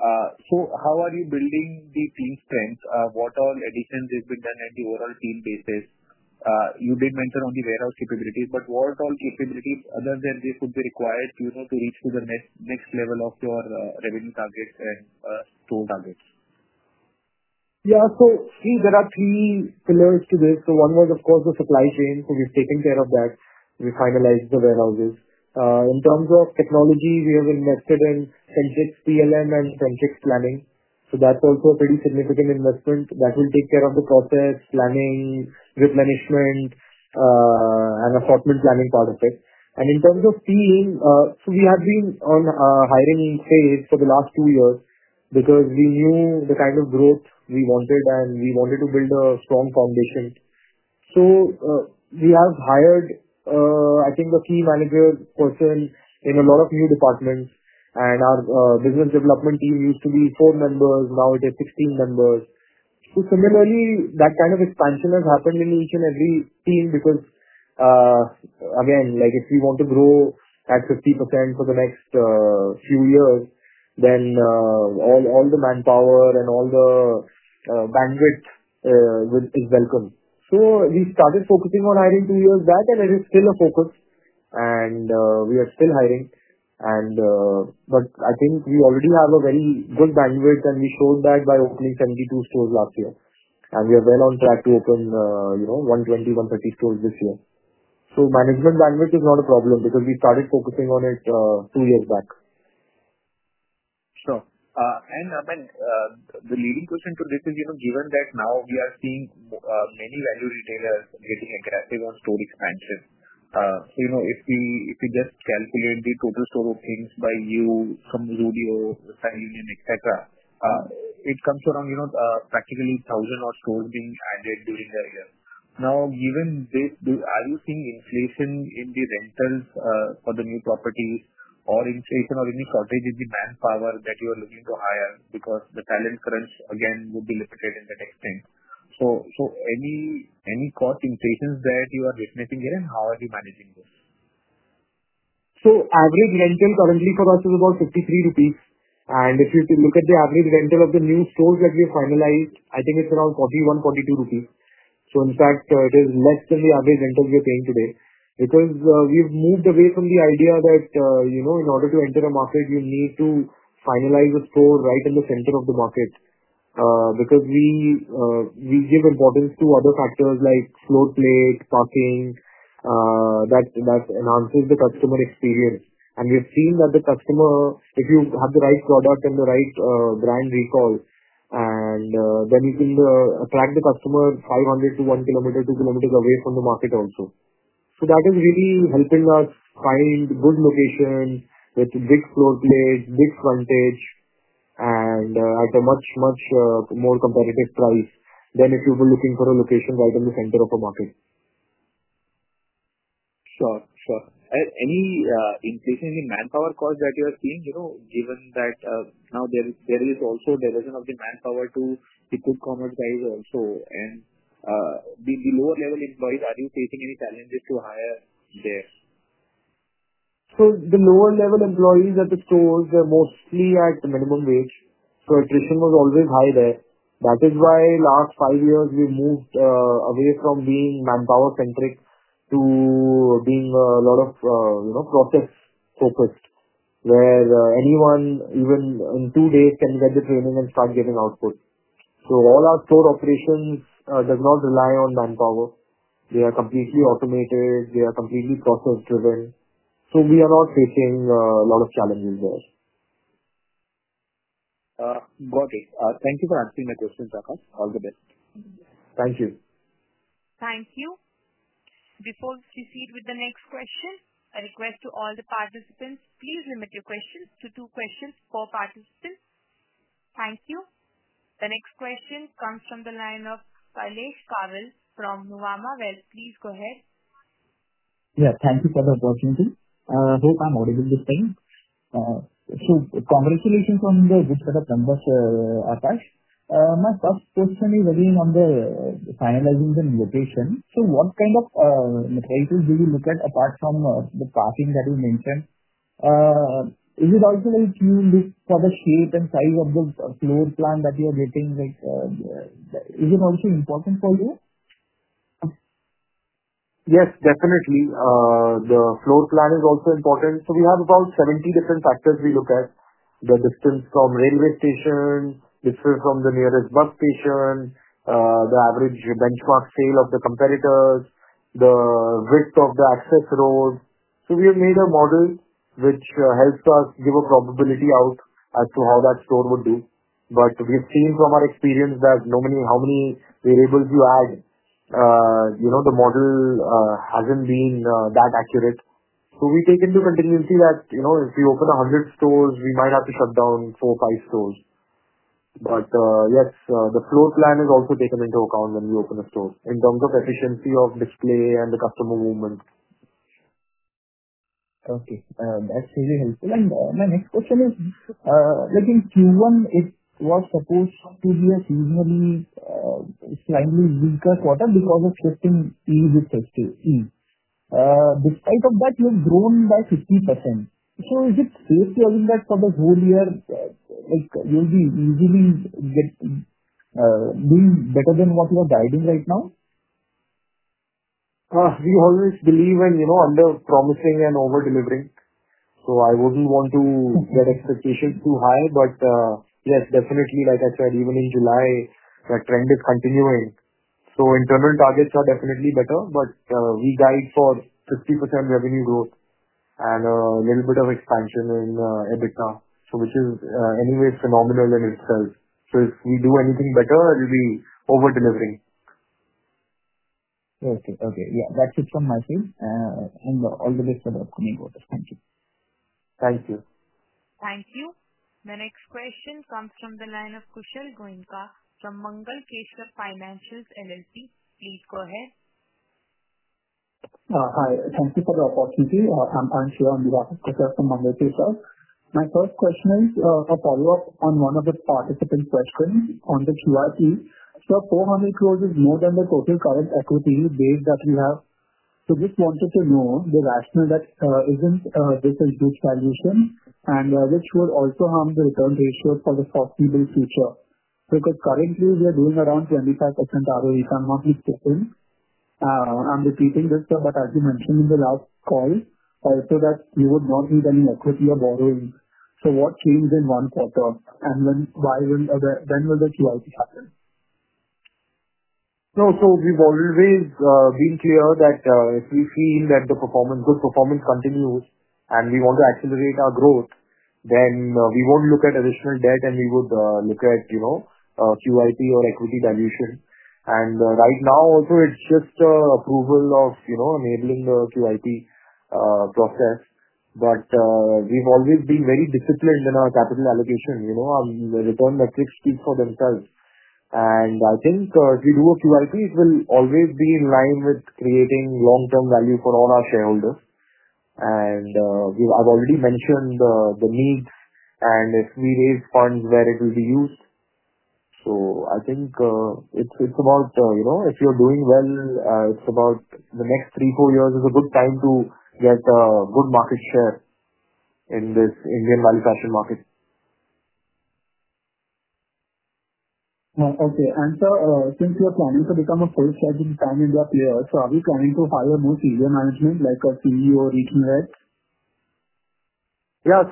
how are you building the team strength? What all additions have been done at the overall team basis? You did mention on the warehouse capabilities, but what all capabilities other than this would be required to reach to the next next level of your revenue targets and store targets? Yeah. See, there are three pillars to this. One was, of course, the supply chain. We've taken care of that. We finalized the warehouses. In terms of technology, we have invested in Sensex PLM and Sensex Planning. That's also a pretty significant investment that will take care of the process planning, replenishment, and assortment planning part of it. In terms of team, we have been on a hiring phase for the last two years because we knew the kind of growth we wanted, and we wanted to build a strong foundation. We have hired, I think, the key manager person in a lot of new departments. Our business development team used to be four members. Now it is 16 members. Similarly, that kind of expansion has happened in each and every team because, again, if you want to grow at 50% for the next few years, then all the manpower and all the bandwidth is welcome. We started focusing on adding two years back, and it is still a focus. We are still hiring. I think we already have a very good bandwidth, and we closed that by opening 72 stores last year. We are well on track to open 120, 130 stores this year. Management bandwidth is not a problem because we started focusing on it two years back. Sure. The leading question to this is, you know, given that now we are seeing many value retailers getting aggressive on store expansion, if we just calculate the total store openings by you, from your size, Union, et cetera, it comes around, you know, practically 1,000 odd stores being added during the year. Now, given this, are you seeing inflation in the rentals for the new properties or inflation or any shortage in the manpower that you are looking to hire because the talent crunch, again, would be lifted to that extent? Any cost inflations that you are definitely getting, how are you managing this? The average rental currently for us is about 53 rupees. If you look at the average rental of the new stores that we've finalized, I think it's around 41 or 42 rupees. In fact, it is less than the average rental we are paying today. We've moved away from the idea that, in order to enter a market, you need to finalize a store right in the center of the market, because we give importance to other factors like floor plate and parking that enhance the customer experience. We've seen that the customer, if you have the right product and the right brand recall, then you can attract the customer 500 meters to 1 kilometer or 2 kilometers away from the market also. That is really helping us find good locations with a big floor plate, big frontage, and at a much more competitive price than if you were looking for a location right in the center of a market. Sure. Sure. Any increases in manpower costs that you have seen, you know, given that now there is also a diversion of the manpower to the good commerce guys also? The lower-level employees, are you facing any challenges to hire there? The lower-level employees at the stores are mostly at the minimum wage. Attrition was always high there. That is why the last five years we moved away from being manpower-centric to being a lot of process-focused, where anyone even in two days can get the training and start getting output. All our store operations do not rely on manpower. They are completely automated and completely process-driven. We are not facing a lot of challenges there. Got it. Thank you for asking my questions, Akash. All the best. Thank you. Thank you. Before we proceed with the next question, a request to all the participants, please limit your questions to two questions per participant. Thank you. The next question comes from the line of Palash Kawale from Nuvama Wealth. Please go ahead. Thank you for the opportunity. I hope I'm audible this time. Congratulations on the good set of numbers, Akash. My first question is on finalizing the location. What kind of materials do you look at apart from the parking that you mentioned? Is it also like you in this sort of shape and size of the floor plan that you are getting? Is it also important for you? Yes, definitely. The floor plan is also important. We have about 70 different factors we look at: the distance from the railway station, distance from the nearest bus station, the average benchmark sale of the competitors, the width of the access road. We have made a model which helps us give a probability out as to how that store would be. We have seen from our experience that how many variables you add, the model hasn't been that accurate. We take into account continuously that if we open 100 stores, we might have to shut down four or five stores. Yes, the floor plan is also taken into account when we open a store in terms of efficiency of display and the customer movement. Okay. That's really helpful. My next question is, I think Q1 was supposed to be a seasonally, slightly weaker quarter because of shifting teams with shifting teams. Despite that, you have grown by 50%. Is it safe telling that for the whole year, like you'll be easily getting being better than what you are driving right now? We always believe in, you know, under-promising and over-delivering. I wouldn't want to get expectations too high. Yes, definitely, like I said, even in July, that trend is continuing. Internal targets are definitely better, but we guide for 50% revenue growth and a little bit of expansion in EBITDA, which is anyway phenomenal in itself. If we do anything better, it will be over-delivery. Okay. Yeah, that's it from my side. All the best for the upcoming quarter. Thank you. Thank you. The next question comes from the line of Kushal Goenka from Mangal Keshav Financials LLP. Please go ahead. Yeah. Hi. Thank you for the opportunity. I'm Kushal from Mangal Keshav. My first question is a follow-up on one of the participant questions on the QIP. 400 crore is more than the total current equity base that we have. I just wanted to know the rationale that isn't this a good valuation, which would also harm the return ratio for the foreseeable future? Because currently, we are doing around 25% ROE per month. I'm repeating this, but as you mentioned in the last call, I said that we would not need any equity or borrowing. What changed in one quarter, and when will the QIP happen? We have already been clear that if we have seen that the good performance continues and we want to accelerate our growth, then we will not look at additional debt and we would look at, you know, Qualified Institutional Placement or equity valuation. Right now, also, it is just approval of, you know, enabling the Qualified Institutional Placement process. We have always been very disciplined in our capital allocation. Our return metrics speak for themselves. I think if we do a Qualified Institutional Placement, it will always be in line with creating long-term value for all our shareholders. I have already mentioned the needs and if we raise funds where it will be used. I think it is about, you know, if you are doing well, it is about the next three, four years being a good time to get a good market share in this Indian manufacturing market. Okay. Sir, since you are planning to become a full-fledged family of your peers, are you planning to hire more senior management like a CEO or Regional Heads? Yeah,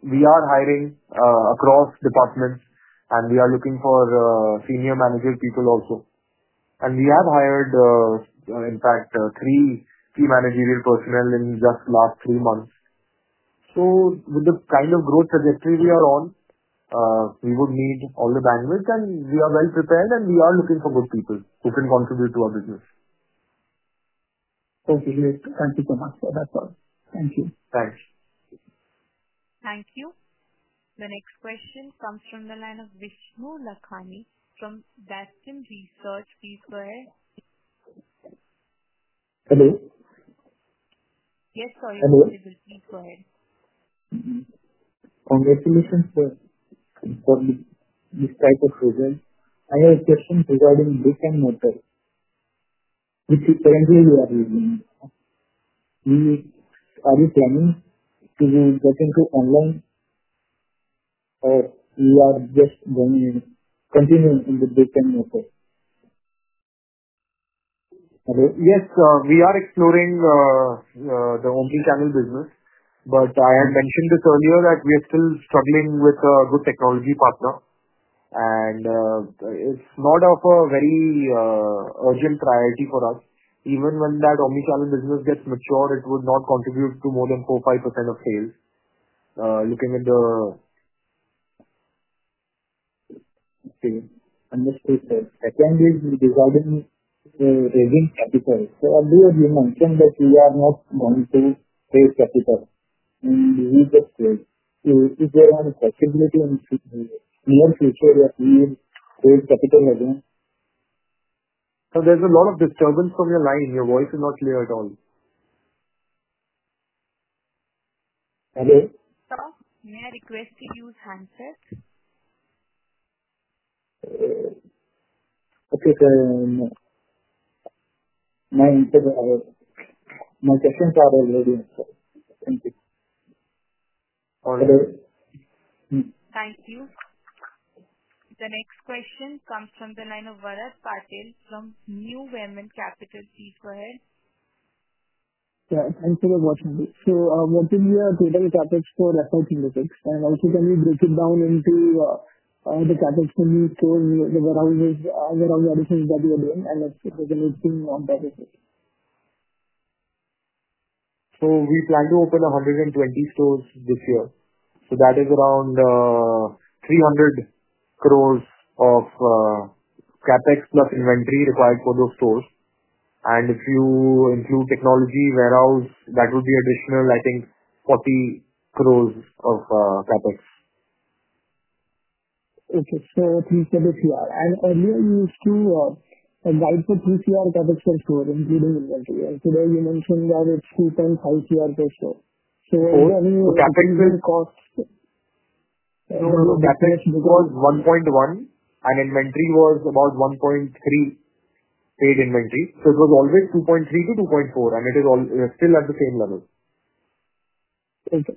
we are hiring across departments, and we are looking for Senior Management people also. We have hired, in fact, three key managerial personnel in just the last three months. With the kind of growth trajectory we are on, we would need all the bandwidth, and we are well prepared, and we are looking for good people who can contribute to our business. Okay. Great. Thank you so much for that part. Thank you. Thanks. Thank you. The next question comes from the line of Vishnukant Lakhani from Bastion Research. Please go ahead. Hello? Yes, sorry. Hello. Please go ahead. Congratulations for this type of project. I have a question regarding brick and mortar. Which is currently your business? Are you planning to continue online, or are you just going to continue with brick and mortar? Yes. We are exploring the omnichannel business. I had mentioned this earlier that we are still struggling with a good technology partner. It's not of a very urgent priority for us. Even when that omnichannel business gets mature, it would not contribute to more than 4% or 5% of sales. Looking at the... Next question. We're designing against AB Capital. Earlier, you mentioned that you are not going to raise capital. You will just raise. If you are contributing more future, will you raise capital again? There is a lot of disturbance from your line. Your voice is not clear at all. Hello? Sir, may I request to use handset? Okay. My question is already answered. Thank you. Thank you. Thank you. Thank you. The next question comes from the line of Varad Patil from New Vernon Capital. Please go ahead. Thank you for the opportunity. I'm wanting your total capital score of about 10%. Can you break it down into the capital score and the other additions that you are doing and the benefits? We plan to open 120 stores this year. That is around 300 crore of CapEx plus inventory required for those stores. If you include technology warehouse, that would be additional, I think, 40 crore of CapEx. Okay. 3 crore per store. Earlier, you used to write the 3 crore CapEx per store including inventory. Today, you mentioned that it's 2.5 crore per store. What is the CapEx? CapEx was 1.1 million, and inventory was about 1.3 million paid inventory. It was always 2.3 million to 2.4 million, and it is still at the same level. Okay.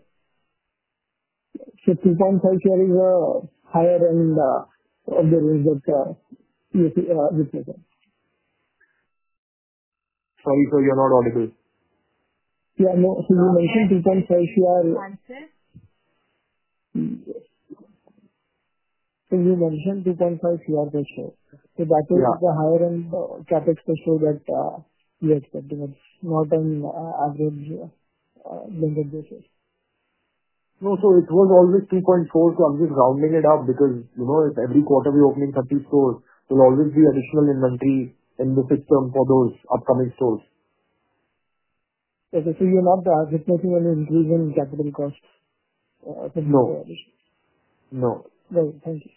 So INR 2.5 crore is higher than the other ways of replacing? Sorry, you're not audible. I just wanted to clarify that part. Anshu? You mentioned INR 2.5 crore per store. That is the higher-end CapEx per store that you expected, not on average basis. No, it was always 3.4, always rounding it up because, you know, every quarter we open 30 stores, there will always be additional inventory in the system for those upcoming stores. Okay. You're not targeting an increase in capital cost? No. No. No, thank you.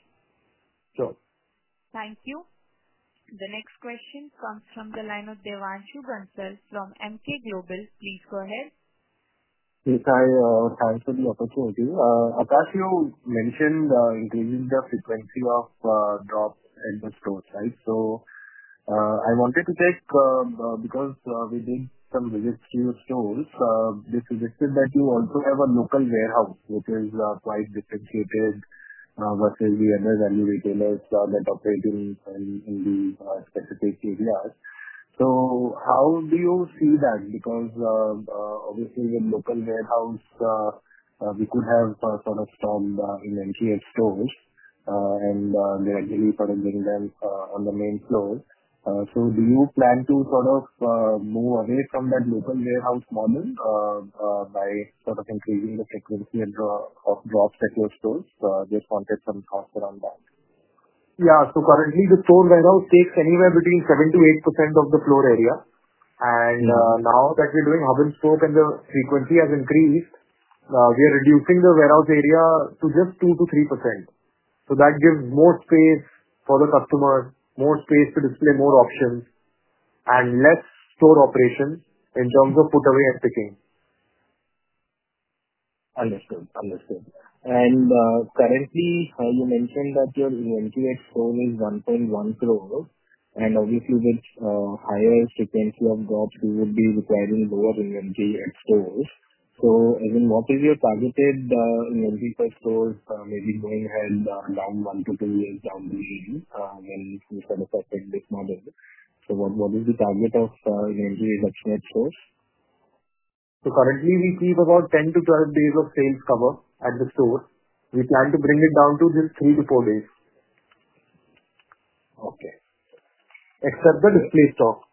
Sure. Thank you. The next question comes from the line of Devanshu Bansal from Emkay Global. Please go ahead. Yes. I thank you for the opportunity. Akash, you mentioned increasing the frequency of drops in the stores, right? I wanted to test because we did some visits to your stores. This suggested that you also have a local warehouse, which is quite differentiated versus the other value retailers that operate in the specific areas. How do you see that? Obviously, in local warehouse, we could have sort of some lengthier stores, and you're currently doing them on the main floor. Do you plan to sort of move away from that local warehouse model by increasing the frequency of drops in your stores? Just wanted some thoughts around that. Currently, the store warehouse takes anywhere between 7% to 8% of the floor area. Now that we're doing urban stores and the frequency has increased, we are reducing the warehouse area to just 2% to 3%. That gives more space for the customer, more space to display more options, and less store operation in terms of put-away and picking. Understood. Understood. Currently, you mentioned that your inventory exposure is 1.1 crore. Obviously, with higher frequency of drops, you would be requiring more inventory exposure. What is your targeted inventory per store? Maybe you may have one to two years down the line in terms of this model. What is the target of inventory exposure? Currently, we keep about 10 to 12 days of sales cover at the store. We plan to bring it down to just three to four days, except the display stock.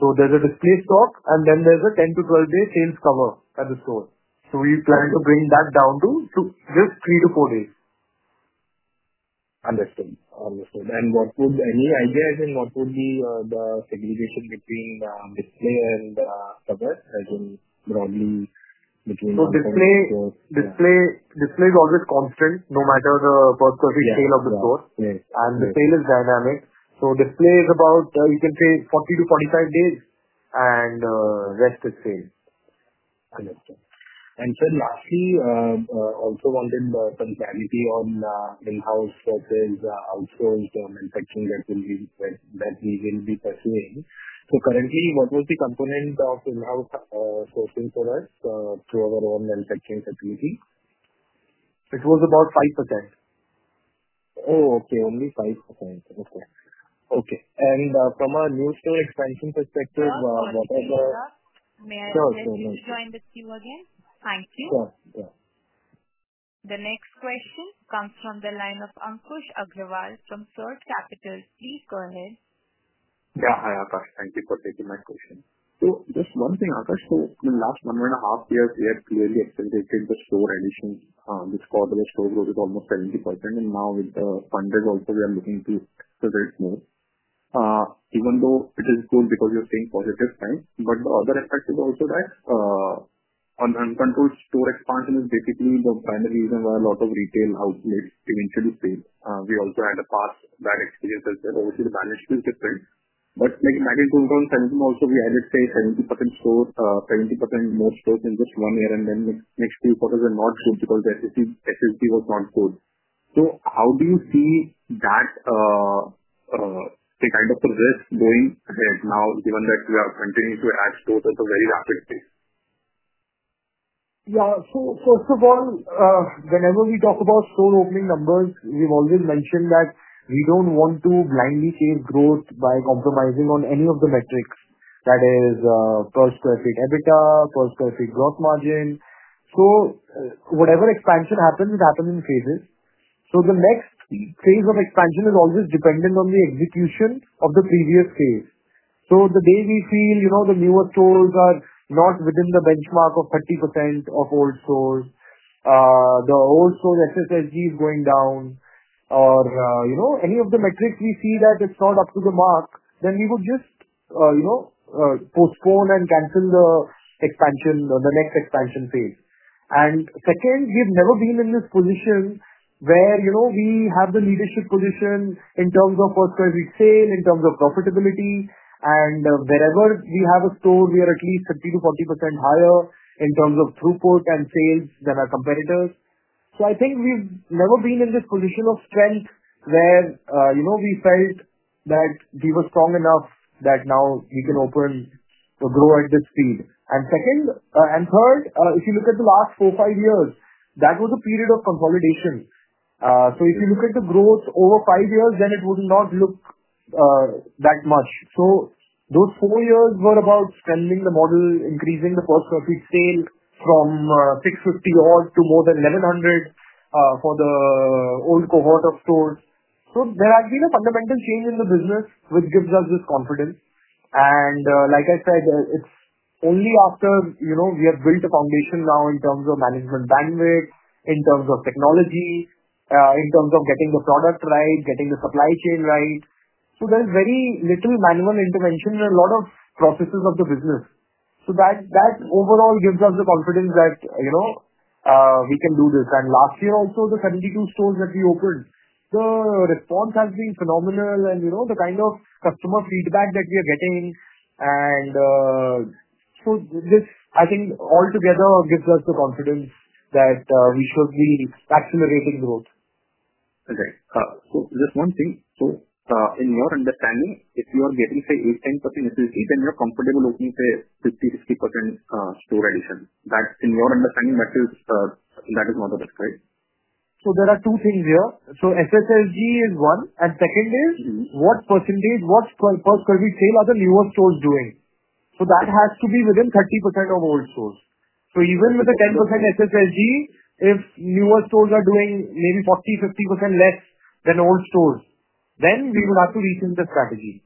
There's a display stock, and then there's a 10 to 12-day sales cover at the store. We plan to bring that down to just three to four days. Understood. What would be the segregation between the display and the cover? I think broadly between the. Display is always constant, no matter the per-quarter sale of the store. The sale is dynamic. Display is about 40 to 45 days, and the rest is sales. Understood. Lastly, I also wanted the transparency on in-house sourcing, outsourced manufacturing that will be not immediately pursuing. Currently, what was the component of in-house sourcing for us through our own manufacturing facility? It was about 5%. Oh, okay. Only 5%. Okay. From our new store expansion perspective, what is the. May I try to understand you again? Thank you. Sure. Yeah. The next question comes from the line of Ankush Agarwal from Surge Capital. Please go ahead. Yeah. Hi, Akash. Thank you for taking my question. Just one thing, Akash. In the last one and a half years, we have clearly extended the store addition, which caused the store growth of almost 70%. Now with the funders also, we are looking to raise more, even though it is good because we are seeing positive signs. The other aspect is also that an uncontrolled store expansion is basically the primary reason why a lot of retail outlets eventually fail. We also had a past bad experience with them. Also, the balance sheet is different. Back in 2017, also, we added, say, 70% more stores in just one year. The next three quarters are not good because the SSG was not good. How do you see that, the kind of the risk going ahead now, given that we are continuing to add stores at a very rapid pace? Yeah. First of all, whenever we talk about store opening numbers, we've always mentioned that we don't want to blindly chase growth by compromising on any of the metrics. That is, per square feet EBITDA, per square feet gross margin. Whatever expansion happens, it happens in phases. The next phase of expansion is always dependent on the execution of the previous phase. The day we feel the newer stores are not within the benchmark of 30% of old stores, the old stores' SSG is going down, or any of the metrics we see that it's not up to the mark, we would just postpone and cancel the next expansion phase. Second, we've never been in this position where we have the leadership position in terms of per square feet sale, in terms of profitability. Wherever we have a store, we are at least 30% to 40% higher in terms of throughput and sales than our competitors. I think we've never been in this position of strength where we felt that we were strong enough that now we can open or grow at this speed. Third, if you look at the last four or five years, that was a period of consolidation. If you look at the growth over five years, then it would not look that much. Those four years were about extending the model, increasing the per square feet sale from 650 odd to more than 1,100 for the old cohort of stores. There has been a fundamental change in the business, which gives us this confidence. Like I said, it's only after we have built a foundation now in terms of management bandwidth, in terms of technology, in terms of getting the product right, getting the supply chain right. There's very little manual intervention in a lot of processes of the business. That overall gives us the confidence that we can do this. Last year, also, the 72 stores that we opened, the response has been phenomenal, and the kind of customer feedback that we are getting. Altogether, I think it gives us the confidence that we should be accelerating growth. Okay, just one thing. In your understanding, if you are getting, say, 8%-10% SSG, then you're comfortable opening, say, 50%-60% store addition. In your understanding, that is not the best, right? There are two things here. SSLG is one. Second is what percentage, what per square feet sale are the newer stores doing? That has to be within 30% of old stores. Even with the 10% SSLG, if newer stores are doing maybe 40% or 50% less than old stores, then we would have to rethink the strategy.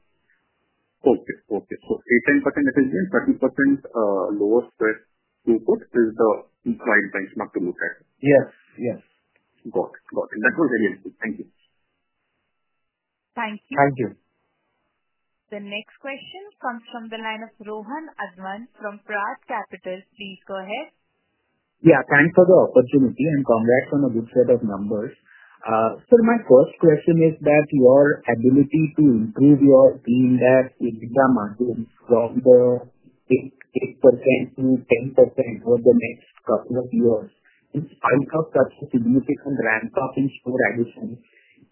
Okay. Okay. So, 8%-10% SSSG, 30% lower square feet input is the equal benchmark to look at. Yes, yes. Got it. Got it. That was very helpful. Thank you. Thank you. Thank you. The next question comes from the line of Rohan Advant from Prad Capital. Please go ahead. Yeah. Thanks for the opportunity and congrats on a good set of numbers. Sir, my first question is that your ability to improve your team, that is the margin from 8%-%10% over the next couple of years in spite of the flexibility from ramp-up in store addition,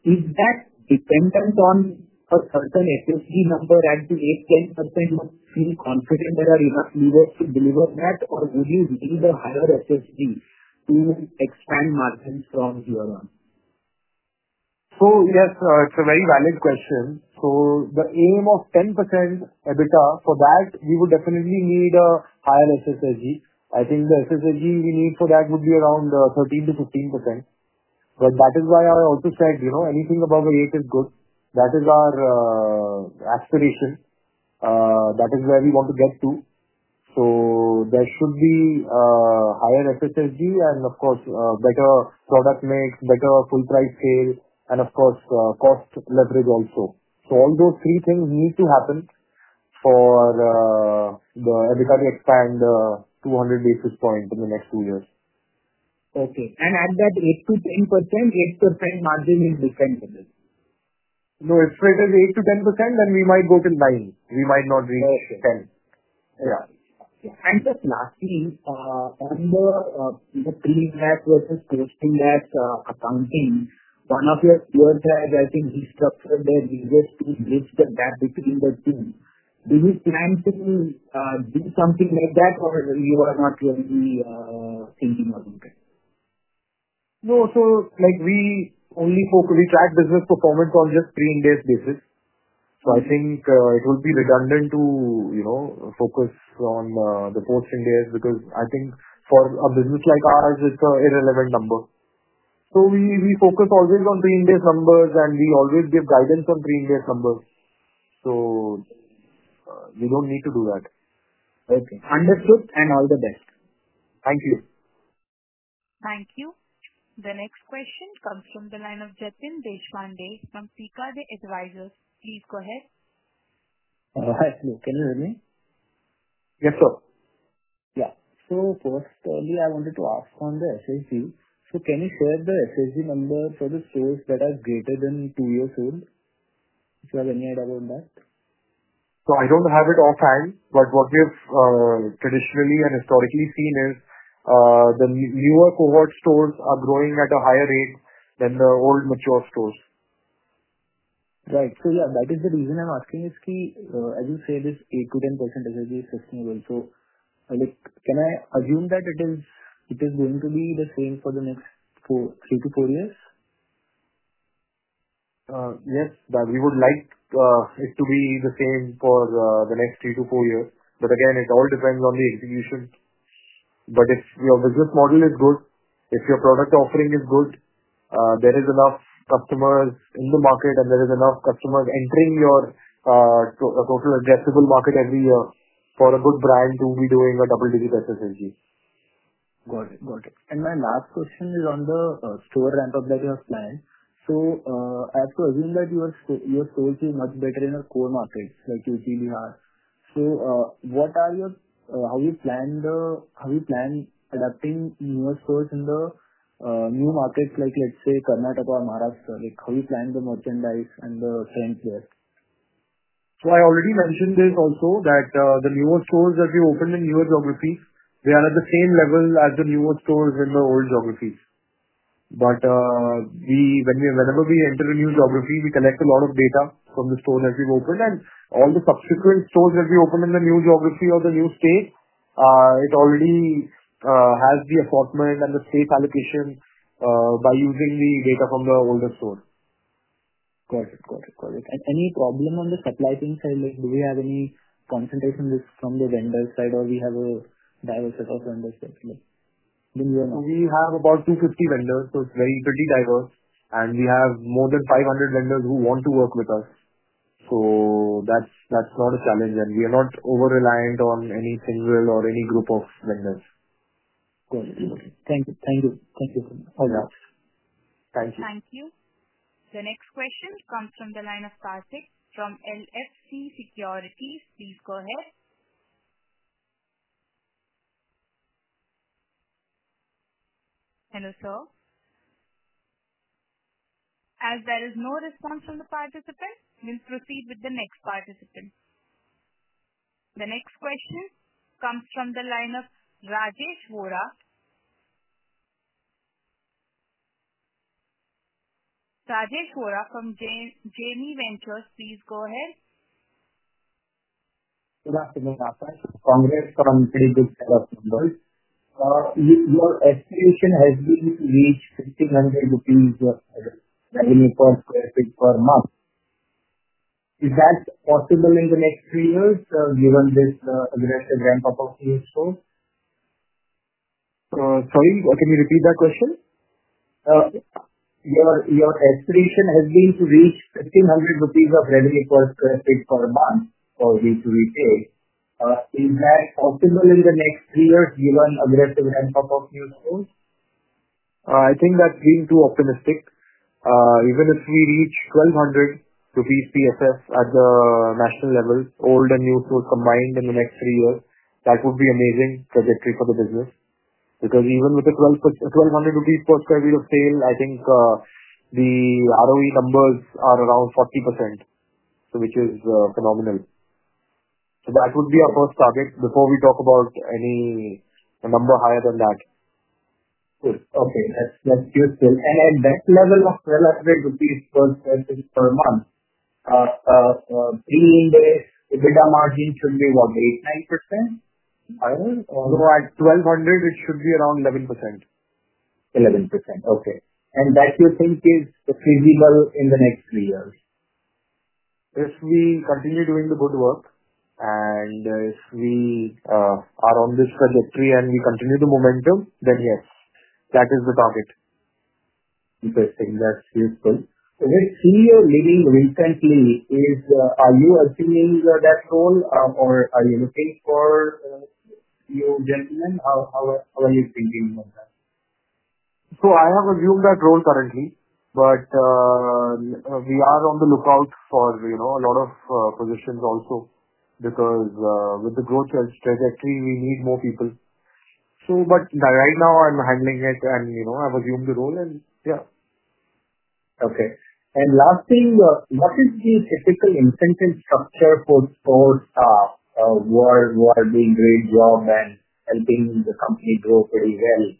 is that dependent on a certain SSG number? To 8-10%, do you feel confident that you should deliver that, or will you use a higher SSG to expand margins from here on? Yes, it's a very valid question. The aim of 10% EBITDA, for that we would definitely need a higher SSG. I think the SSG we need for that would be around 13%-15%. That is why I also said, you know, anything above 8% is good. That is our aspiration, that is where we want to get to. There should be higher SSG and, of course, a better product make, better full-price sale, and, of course, cost leverage also. All those three things need to happen for the EBITDA to expand 200 basis points in the next two years. At that 8%-10%, 8% margin is defensible. No. If it is 8%-10%, then we might go to 9%. We might not reach 10%. Yeah. Just lastly, on the either cleaning labs versus collecting labs accounting, one of your peers has, I think, restructured their resource to bridge the gap between the two. Do you plan to do something like that, or you are not currently thinking about it? No. We only focus, we track business performance on just pre-index basis. I think it would be redundant to focus on the post-index because I think for a business like ours, it's an irrelevant number. We focus always on pre-index numbers, and we always give guidance on pre-index numbers. You don't need to do that. Okay, understood. All the best. Thank you. Thank you. The next question comes from the line of Jatin Deshpande from Pkeday Advisors. Please go ahead. No, I see. Can you hear me? Yes, sir. Yeah, I wanted to ask on the SSG. Can you quote the SSG number for the stores that are greater than two years old? If you have any idea on that? I don't have it offhand, but what we've traditionally and historically seen is the newer cohort stores are growing at a higher rate than the old mature stores. Right. That is the reason I'm asking is, as you say, this 8%-10% SSG is so small. Can I assume that it is going to be the same for the next three to four years? Yes, we would like it to be the same for the next three to four years. It all depends on the execution. If your business model is good, if your product offering is good, there are enough customers in the market, and there are enough customers entering your total addressable market every year for a good brand to be doing a double-digit SSG. Got it. My last question is on the store ramp-up like you have planned. I have to assume that your stores are much better in our core markets like you feel you are. What are your, how you plan adapting newer stores in the new markets like, let's say, Karnataka or Maharashtra? How do you plan the merchandise and the forms there? I already mentioned this also, the newer stores that we open in newer geographies are at the same level as the newer stores in the old geographies. Whenever we enter a new geography, we collect a lot of data from the store that we've opened, and all the subsequent stores that we open in the new geography or the new state already have the assortment and the safe allocation by using the data from the older store. Got it. Got it. Any problem on the supply chain side? Do we have any concentration from the vendor side, or do you have a diversity of vendors? We have about 250 vendors. 30 diverse team, and we have more than 500 vendors who want to work with us. That's not a challenge, and we are not over-reliant on any fulcrum or any group of vendors. Thank you. Thank you. Thank you. Thank you. Thank you. The next question comes from the line of Karthik from LSC Securities. Please go ahead. Hello, sir. As there is no response from the participant, let's proceed with the next participant. The next question comes from the line of Rajesh Vora. Rajesh Vora from Jainmay Venture, please go ahead. Good afternoon, Akash. Congrats. Very big set of numbers. Your estimation has been to reach INR 1,500 revenue per square foot per month. Is that possible in the next three years given this aggressive ramp-up of useful? Sorry, can you repeat that question? Your estimation has been to reach 1,500 rupees of revenue per square foot per month for V2 Retail. Is that optimal in the next three years given the aggressive ramp-up of useful? I think that's really too optimistic. Even if we reach 1,200 CFS at the national level, old and new tools combined in the next three years, that would be an amazing trajectory for the business because even with the 1,200 rupees per square foot of sale, I think the ROE numbers are around 40%, which is phenomenal. That would be our first target before we talk about any number higher than that. Good. Okay. That's good. At that level of INR 1,200 per month, in the end, the EBITDA margin should be what, maybe 5%? I think at 1,200, it should be around 11%. 11%. Okay. You think is feasible in the next three years? If we continue doing the good work and if we are on this trajectory and we continue the momentum, then yes, that is the target. Interesting. That's useful. Okay. Senior Leading Risk Engineering, are you assuming that role or are you looking for your gentleman? How are you thinking about that? I have assumed that role currently. We are on the lookout for a lot of positions also because, with the growth trajectory, we need more people. Right now, I'm handling it and I've assumed the role. Okay. Last thing, what is the typical incentive structure for who are being paid well and helping the company grow pretty well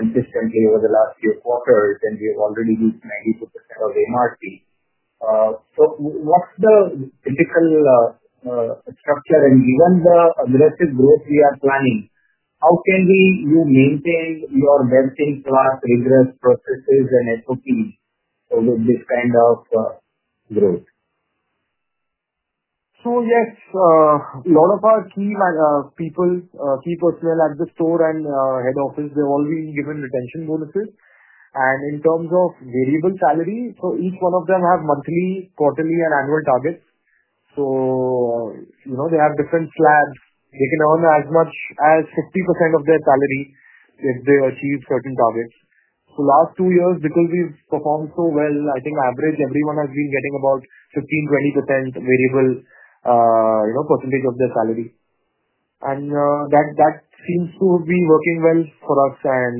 consistently over the last few quarters? We've already reached 90% of MRP. What's the typical structure? Given the aggressive growth we are planning, how can you maintain your best-in-class, rigorous processes and equity to look at this kind of growth? Yes, a lot of our team and people still at the store and head office, they're already given retention bonuses. In terms of variable salary, each one of them has monthly, quarterly, and annual targets. They have different slabs. They can earn as much as 50% of their salary if they achieve certain targets. The last two years, because we've performed so well, I think average everyone has been getting about 15%, 20% variable percentage of their salary. That seems to be working well for us and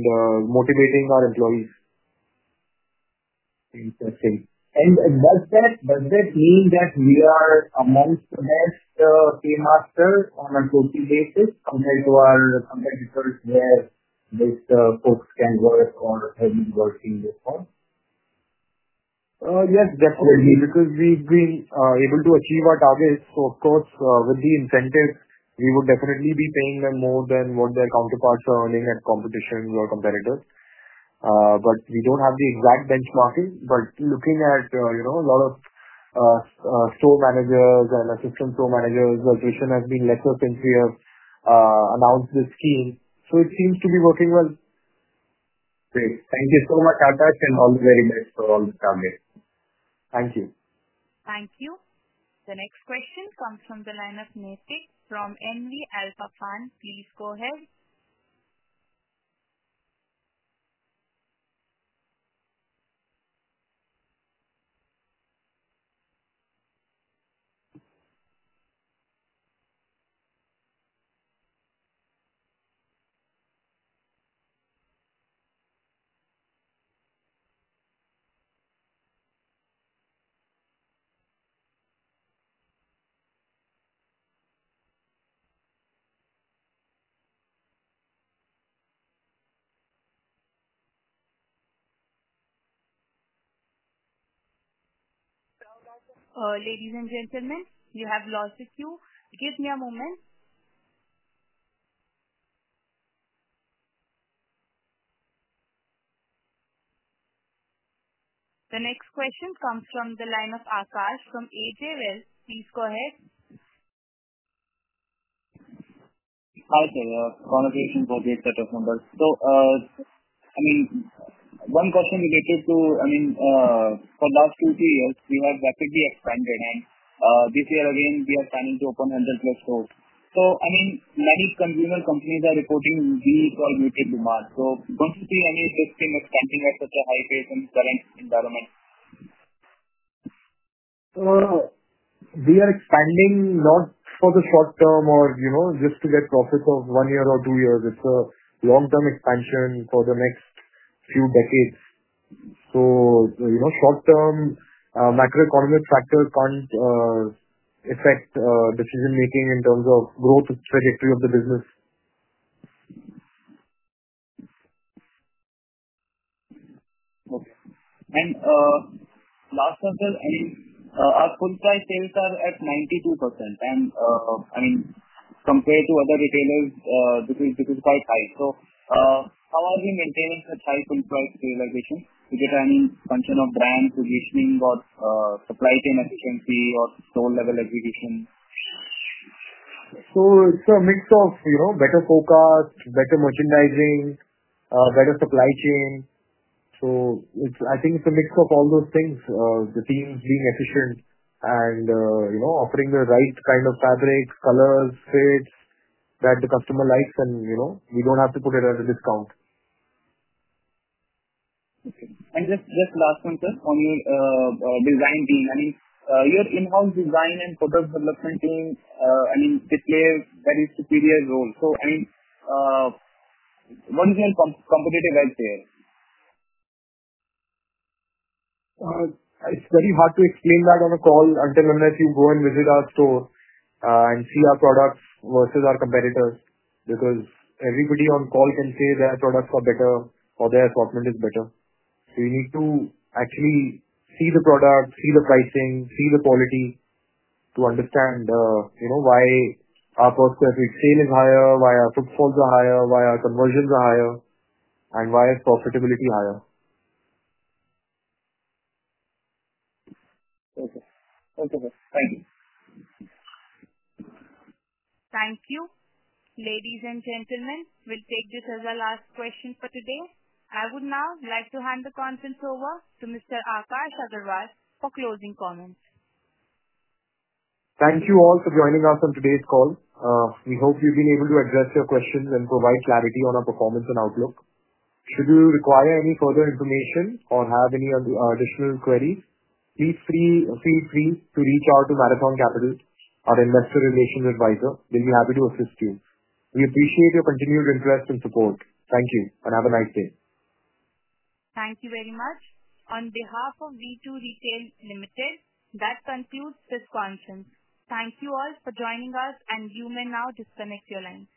motivating our employees. Interesting. Does that mean that we are amongst the best team after on a quoting basis compared to our competitors where just quotes can work or have you never seen before? Yes, definitely. Because we've been able to achieve our targets for quotes with the incentives, we would definitely be paying them more than what their counterparts are earning at competitors. We don't have the exact benchmarking. Looking at a lot of store managers and Assistant Store Managers, the system has been lettered since we have announced this scheme. It seems to be working well. Great. Thank you so much, Akash. I'll be very much on this topic. Thank you. Thank you. The next question comes from the line of Nitin from NV Alpha Fund. Please go ahead. Ladies and gentlemen, you have lost the queue. Give me a moment. The next question comes from the line of Aakash from AJ Wealth. Please go ahead. Okay. Connotations of these set of numbers. One question, which is to, I mean, for the last two years, we have rapidly expanded. This year again, we are planning to open a little bit of scope. I mean, many consumer companies are reporting weak or limited demand. What is the energy system expansion at such a high pace in the current environment? We are expanding not for the short term or just to get profits of one year or two years. It's a long-term expansion for the next few decades. Short-term macroeconomic factors can't affect decision-making in terms of growth trajectory of the business. Okay. Last question, our full-price sales are at 92%. I mean, compared to other retailers, this is quite high. How are we maintaining such high full-price realization? Is it an expansion of brand positioning, supply chain efficiency, or store-level aggregation? It's a mix of, you know, better merchandising, better supply chain. I think it's a mix of all those things. The team's being efficient and, you know, offering the right kind of fabrics, colors, shapes that the customer likes, and, you know, we don't have to put it as a discount. Okay. Just last question on the design team. I mean, your in-house design and production team, they play a very superior role. What is your competitive edge there? It's very hard to explain that on a call until you go and visit our store and see our products versus our competitors, because everybody on a call can say their products are better or their assortment is better. You need to actually see the product, see the pricing, see the quality to understand why our per square foot sale is higher, why our footfalls are higher, why our conversions are higher, and why profitability is higher. Okay. Thank you. Ladies and gentlemen, we take this as our last question for today. I would now like to hand the conference over to Mr. Akash Agarwal for closing comments. Thank you all for joining us on today's call. We hope you've been able to address your questions and provide clarity on our performance and outlook. Should you require any further information or have any additional queries, please feel free to reach out to Marathon Capital, our investor relations advisor. We'll be happy to assist you. We appreciate your continued interest and support. Thank you and have a nice day. Thank you very much. On behalf of V2 Retail Limited, that concludes this conference. Thank you all for joining us, and you may now disconnect your lines.